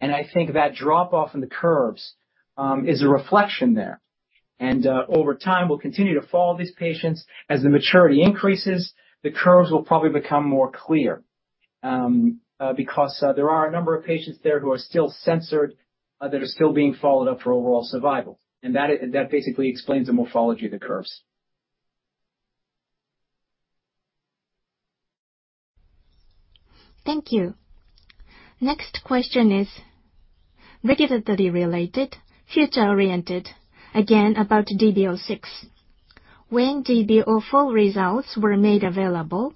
and I think that drop-off in the curves is a reflection there. Over time, we'll continue to follow these patients. As the maturity increases, the curves will probably become more clear, because there are a number of patients there who are still censored, that are still being followed up for overall survival. And that basically explains the morphology of the curves. Thank you. Next question is regulatory related, future-oriented, again, about DB-06. When DB-04 results were made available,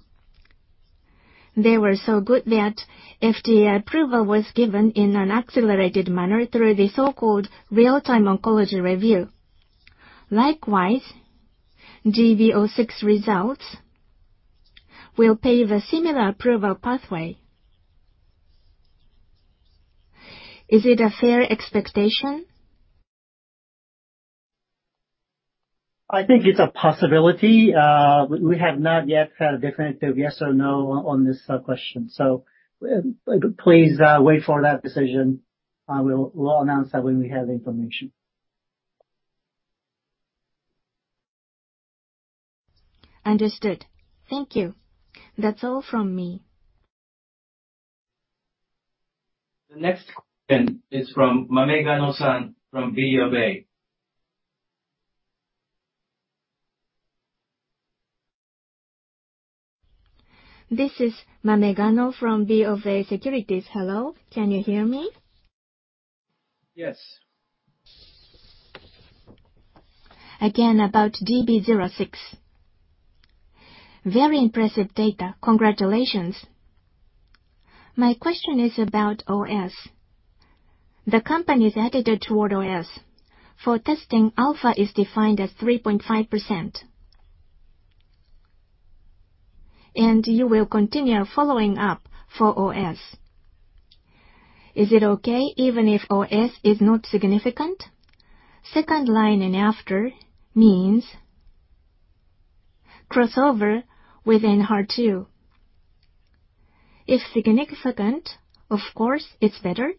they were so good that FDA approval was given in an accelerated manner through the so-called Real-Time Oncology Review. Likewise, DB-06 results will pave a similar approval pathway. Is it a fair expectation? I think it's a possibility. We have not yet had a definitive yes or no on this question, so please wait for that decision. We'll announce that when we have the information. Understood. Thank you. That's all from me. The next question is from Mamegou-san, from BofA. This is Mamegou from BofA Securities. Hello, can you hear me? Yes. Again, about DB-06. Very impressive data. Congratulations. My question is about OS. The company's attitude toward OS. For testing, alpha is defined as 3.5%, and you will continue following up for OS. Is it okay even if OS is not significant? Second line and after means crossover within HER2. If significant, of course, it's better.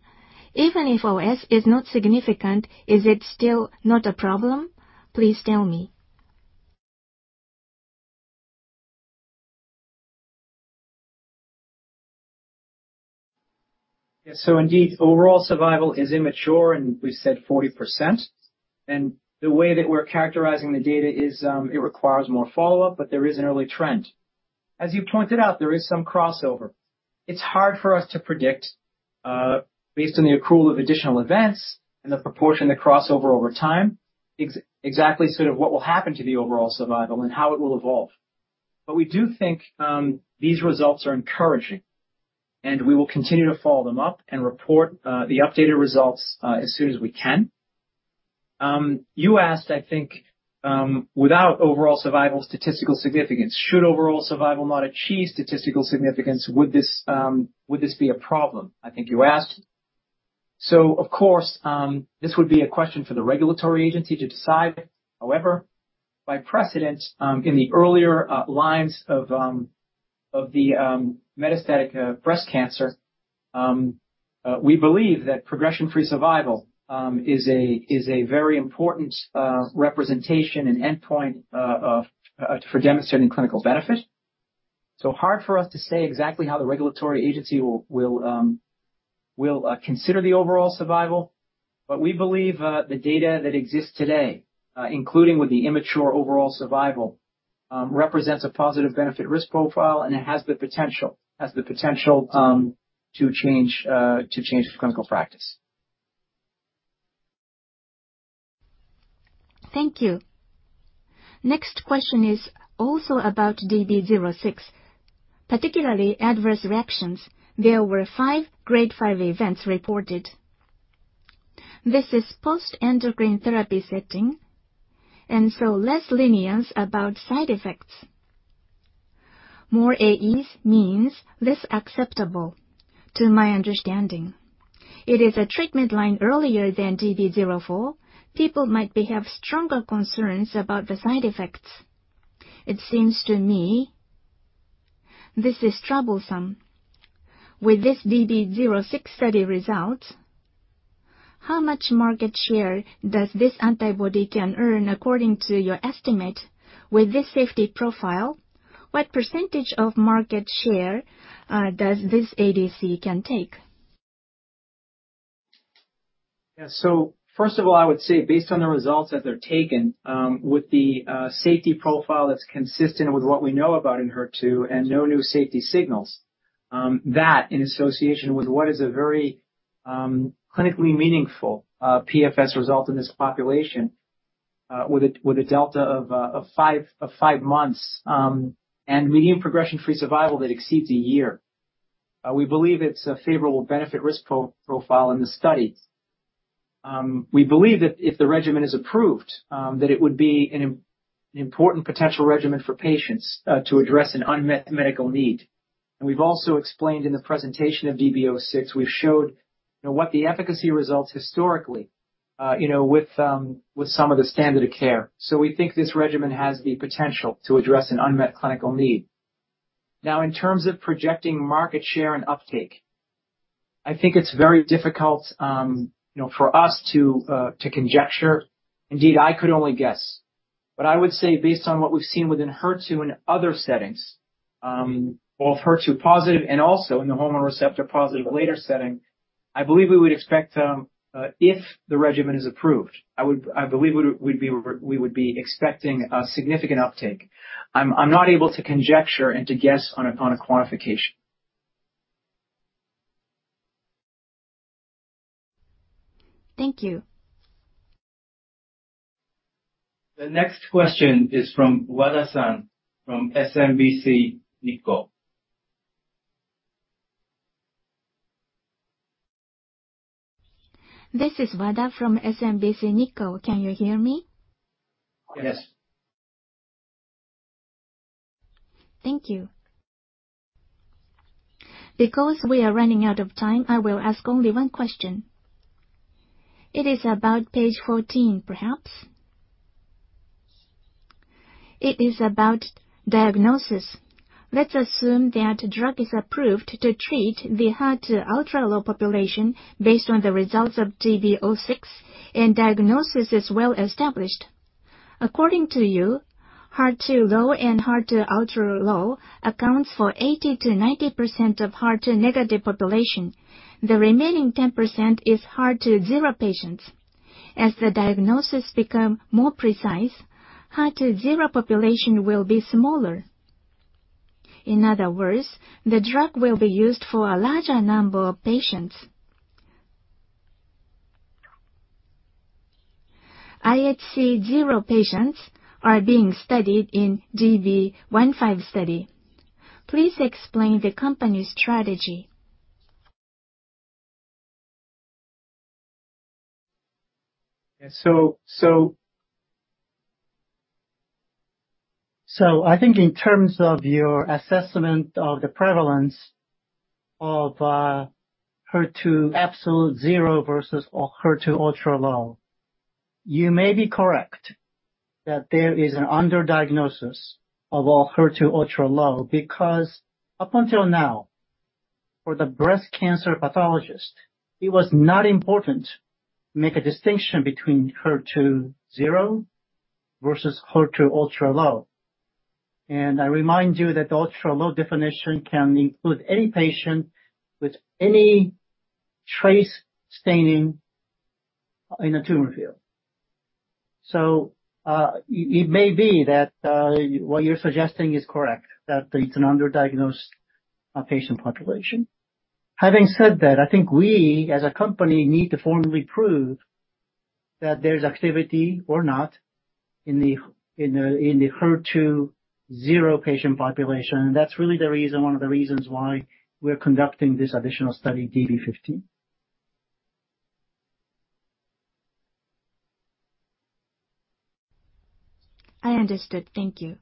Even if OS is not significant, is it still not a problem? Please tell me. Yes, so indeed, overall survival is immature, and we said 40%, and the way that we're characterizing the data is, it requires more follow-up, but there is an early trend. As you pointed out, there is some crossover. It's hard for us to predict, based on the accrual of additional events and the proportion of the crossover over time, exactly sort of what will happen to the overall survival and how it will evolve. But we do think, these results are encouraging, and we will continue to follow them up and report, the updated results, as soon as we can.... You asked, I think, without overall survival statistical significance, should overall survival not achieve statistical significance, would this be a problem? I think you asked. So of course, this would be a question for the regulatory agency to decide. However, by precedent, in the earlier lines of the metastatic breast cancer, we believe that progression-free survival is a very important representation and endpoint for demonstrating clinical benefit. So hard for us to say exactly how the regulatory agency will consider the overall survival, but we believe the data that exists today, including with the immature overall survival, represents a positive benefit-risk profile, and it has the potential to change the clinical practice. Thank you. Next question is also about DB-06, particularly adverse reactions. There were 5 grade 5 events reported. This is post-endocrine therapy setting, and so less lenience about side effects. More AEs means less acceptable, to my understanding. It is a treatment line earlier than DB-04. People might behave stronger concerns about the side effects. It seems to me this is troublesome. With this DB-06 study result, how much market share does this antibody can earn according to your estimate? With this safety profile, what percentage of market share does this ADC can take? Yeah. So first of all, I would say, based on the results as they're taken, with the safety profile that's consistent with what we know about in HER2 and no new safety signals, that in association with what is a very clinically meaningful PFS result in this population, with a delta of 5 months, and median progression-free survival that exceeds a year. We believe it's a favorable benefit-risk profile in the study. We believe that if the regimen is approved, that it would be an important potential regimen for patients to address an unmet medical need. And we've also explained in the presentation of DB-06, we've showed, you know, what the efficacy results historically, you know, with some of the standard of care. So we think this regimen has the potential to address an unmet clinical need. Now, in terms of projecting market share and uptake, I think it's very difficult, you know, for us to conjecture. Indeed, I could only guess. But I would say, based on what we've seen with Enhertu in other settings, both HER2-positive and also in the hormone receptor-positive later setting, I believe we would expect, if the regimen is approved, we would be expecting a significant uptake. I'm not able to conjecture and to guess upon a quantification. Thank you. The next question is from Wada-san, from SMBC Nikko. This is Wada from SMBC Nikko. Can you hear me? Yes. Thank you. Because we are running out of time, I will ask only one question. It is about page 14, perhaps. It is about diagnosis. Let's assume that drug is approved to treat the HER2-ultralow population based on the results of DB-06, and diagnosis is well established. According to you, HER2-low and HER2-ultralow accounts for 80%-90% of HER2-negative population. The remaining 10% is HER2-zero patients. As the diagnosis become more precise, HER2-zero population will be smaller. In other words, the drug will be used for a larger number of patients. IHC-zero patients are being studied in DB-15 study. Please explain the company's strategy. Yeah, so I think in terms of your assessment of the prevalence of HER2 absolute zero versus or HER2-ultralow, you may be correct that there is an under-diagnosis of all HER2-ultralow, because up until now, for the breast cancer pathologist, it was not important to make a distinction between HER2-zero versus HER2-ultralow. And I remind you that the ultra low definition can include any patient with any trace staining in a tumor field. So it may be that what you're suggesting is correct, that it's an underdiagnosed patient population. Having said that, I think we, as a company, need to formally prove that there's activity or not in the HER2-zero patient population, and that's really the reason, one of the reasons why we're conducting this additional study, DB-15. I understood. Thank you.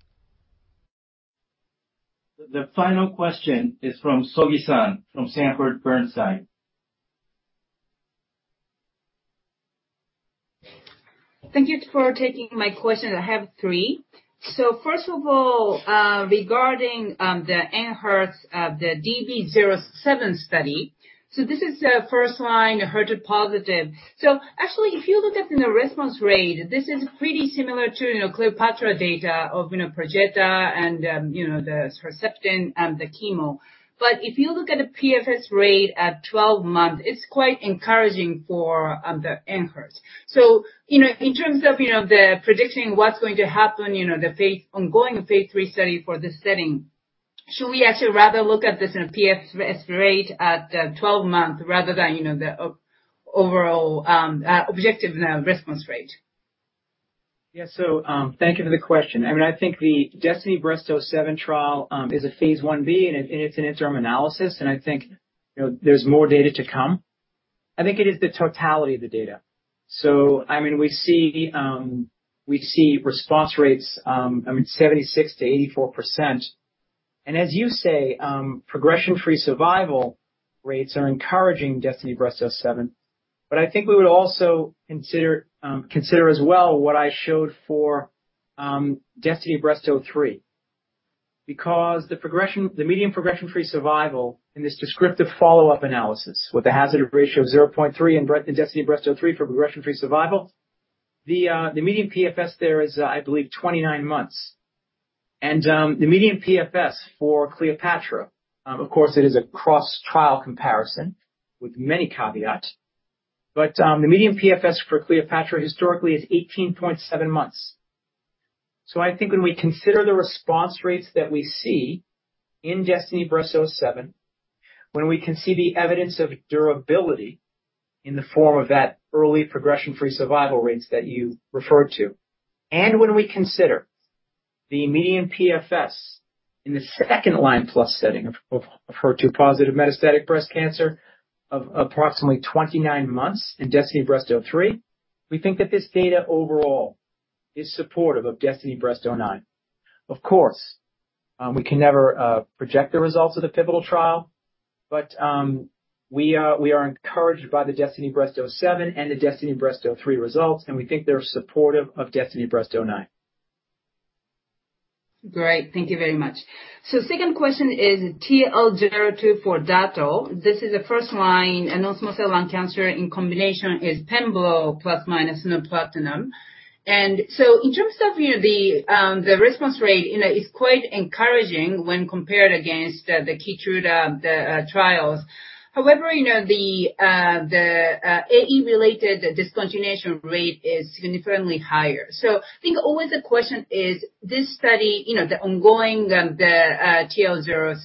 The final question is from Sogi-san from Sanford C. Bernstein. Thank you for taking my question. I have three. So first of all, regarding the Enhertu, the DESTINY-Breast07 study. So this is the first-line HER2-positive. So actually, if you look at the response rate, this is pretty similar to, you know, CLEOPATRA data of, you know, Perjeta and, you know, the Herceptin and the chemo. But if you look at the PFS rate at 12 months, it's quite encouraging for the Enhertu. So, you know, in terms of, you know, predicting what's going to happen, you know, the ongoing phase 3 study for this setting, should we actually rather look at this in a PFS rate at 12 months, rather than, you know, the overall objective response rate? Yeah. So, thank you for the question. I mean, I think the DESTINY-Breast07 trial is a phase 1b, and it, and it's an interim analysis, and I think, you know, there's more data to come. I think it is the totality of the data. So I mean, we see, we see response rates, I mean, 76%-84%. And as you say, progression-free survival rates are encouraging DESTINY-Breast07, but I think we would also consider as well what I showed for, DESTINY-Breast03. Because the median progression-free survival in this descriptive follow-up analysis, with the hazard ratio 0.3 in breast, in DESTINY-Breast03 for progression-free survival, the median PFS there is, I believe, 29 months. The median PFS for CLEOPATRA, of course, it is a cross-trial comparison with many caveats, but, the median PFS for CLEOPATRA historically is 18.7 months. So I think when we consider the response rates that we see in DESTINY-Breast07, when we can see the evidence of durability in the form of that early progression-free survival rates that you referred to, and when we consider the median PFS in the second line plus setting of HER2-positive metastatic breast cancer of approximately 29 months in DESTINY-Breast03, we think that this data overall is supportive of DESTINY-Breast09. Of course, we can never, project the results of the pivotal trial, but, we are encouraged by the DESTINY-Breast07 and the DESTINY-Breast03 results, and we think they're supportive of DESTINY-Breast09. Great. Thank you very much. So second question is TROPION-Lung02 for Dato-DXd. This is the first-line, non-small cell lung cancer in combination with pembro plus minus platinum. And so in terms of, you know, the response rate, you know, it's quite encouraging when compared against the Keytruda trials. However, you know, the AE-related discontinuation rate is significantly higher. So I think always the question is this study, you know, the ongoing TROPION-Lung07,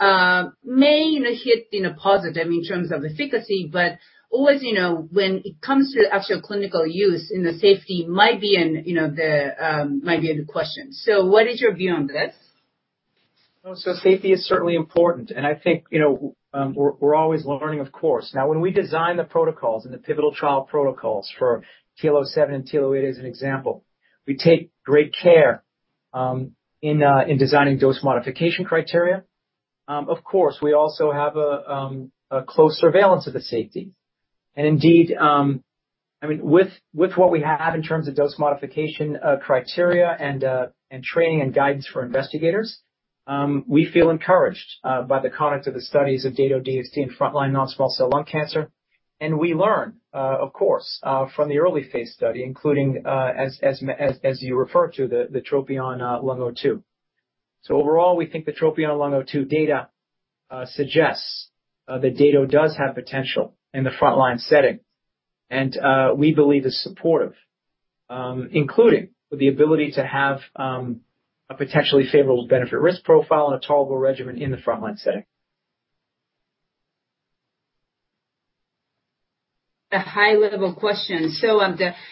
Lung08 may, you know, hit in a positive in terms of efficacy, but always, you know, when it comes to actual clinical use, you know, the safety might be in question. So what is your view on this? Oh, so safety is certainly important, and I think, you know, we're always learning, of course. Now, when we design the protocols and the pivotal trial protocols for TROPION-Lung07 and TROPION-Lung08 as an example, we take great care in designing dose modification criteria. Of course, we also have a close surveillance of the safety. And indeed, I mean, with what we have in terms of dose modification criteria and training and guidance for investigators, we feel encouraged by the conduct of the studies of Dato-DXd in frontline non-small cell lung cancer. And we learn, of course, from the early phase study, including, as you referred to, the TROPION-Lung02. Overall, we think the TROPION-Lung02 data suggests that Dato-DXd does have potential in the frontline setting. We believe is supportive, including the ability to have a potentially favorable benefit risk profile and a tolerable regimen in the frontline setting. A high-level question. So,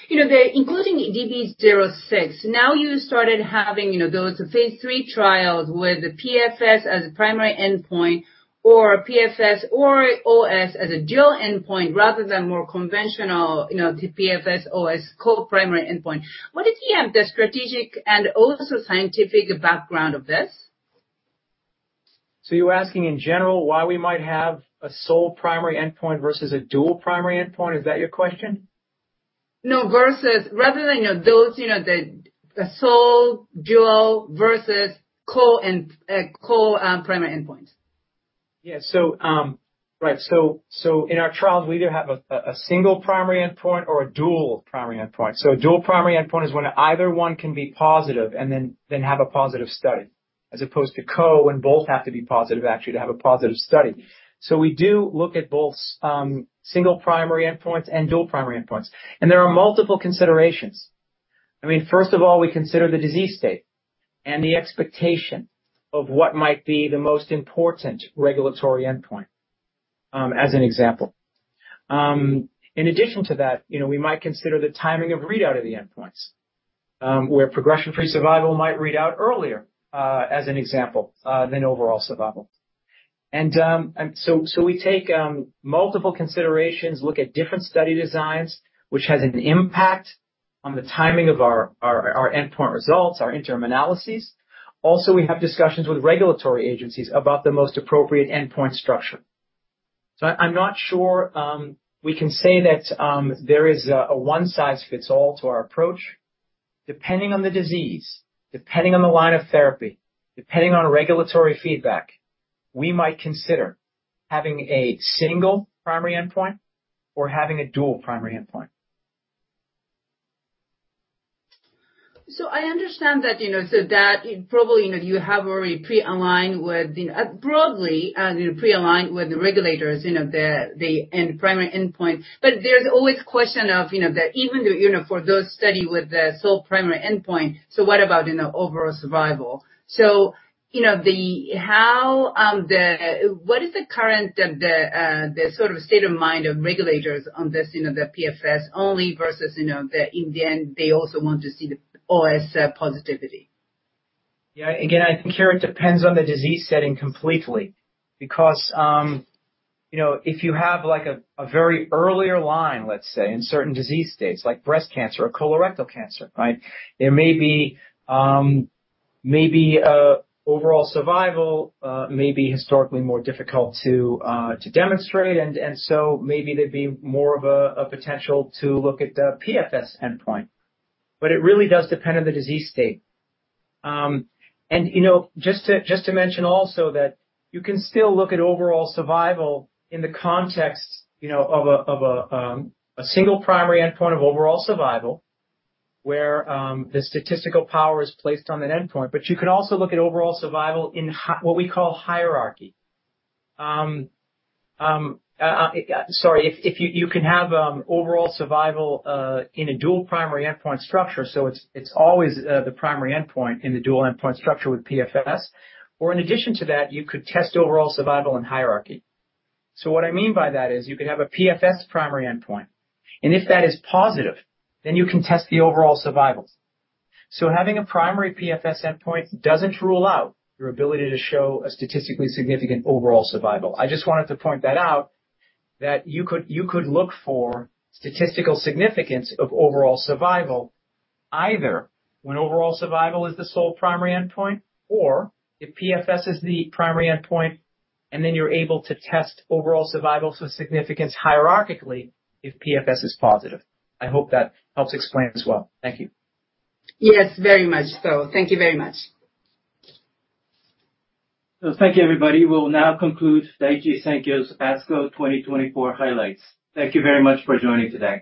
you know, the including DB-06, now you started having, you know, those phase 3 trials with the PFS as a primary endpoint, or PFS, or OS as a dual endpoint rather than more conventional, you know, the PFS OS co-primary endpoint. What is, yeah, the strategic and also scientific background of this? So you're asking in general why we might have a sole primary endpoint versus a dual primary endpoint? Is that your question? No, versus rather than, you know, those, you know, the sole, dual, versus co and co primary endpoints. Yeah. So, right. So, in our trials, we either have a single primary endpoint or a dual primary endpoint. So a dual primary endpoint is when either one can be positive and then have a positive study, as opposed to when both have to be positive actually to have a positive study. So we do look at both single primary endpoints and dual primary endpoints, and there are multiple considerations. I mean, first of all, we consider the disease state and the expectation of what might be the most important regulatory endpoint, as an example. In addition to that, you know, we might consider the timing of readout of the endpoints, where progression-free survival might read out earlier, as an example, than overall survival. So we take multiple considerations, look at different study designs, which has an impact on the timing of our endpoint results, our interim analyses. Also, we have discussions with regulatory agencies about the most appropriate endpoint structure. So I'm not sure we can say that there is a one-size-fits-all to our approach. Depending on the disease, depending on the line of therapy, depending on regulatory feedback, we might consider having a single primary endpoint or having a dual primary endpoint. So I understand that, you know, so that probably, you know, you have already pre-aligned with, you know, broadly, pre-aligned with the regulators, you know, the primary endpoint. But there's always question of, you know, that even though, you know, for those study with the sole primary endpoint, so what about in the overall survival? So, you know, What is the current, the sort of state of mind of regulators on this, you know, the PFS only versus, you know, in the end, they also want to see the OS positivity? Yeah, again, I think, here, it depends on the disease setting completely. Because, you know, if you have, like, a very earlier line, let's say, in certain disease states, like breast cancer or colorectal cancer, right? There may be, maybe, overall survival may be historically more difficult to demonstrate. And so maybe there'd be more of a potential to look at the PFS endpoint. But it really does depend on the disease state. And, you know, just to mention also that you can still look at overall survival in the context, you know, of a single primary endpoint of overall survival, where, the statistical power is placed on that endpoint. But you could also look at overall survival in what we call hierarchy. Sorry, if you can have overall survival in a dual primary endpoint structure, so it's always the primary endpoint in the dual endpoint structure with PFS. Or in addition to that, you could test overall survival and hierarchy. So what I mean by that is you could have a PFS primary endpoint, and if that is positive, then you can test the overall survivals. So having a primary PFS endpoint doesn't rule out your ability to show a statistically significant overall survival. I just wanted to point that out, that you could look for statistical significance of overall survival, either when overall survival is the sole primary endpoint or if PFS is the primary endpoint, and then you're able to test overall survival for significance hierarchically, if PFS is positive. I hope that helps explain as well. Thank you. Yes, very much so. Thank you very much. Thank you, everybody. We'll now conclude Daiichi Sankyo's ASCO 2024 highlights. Thank you very much for joining today.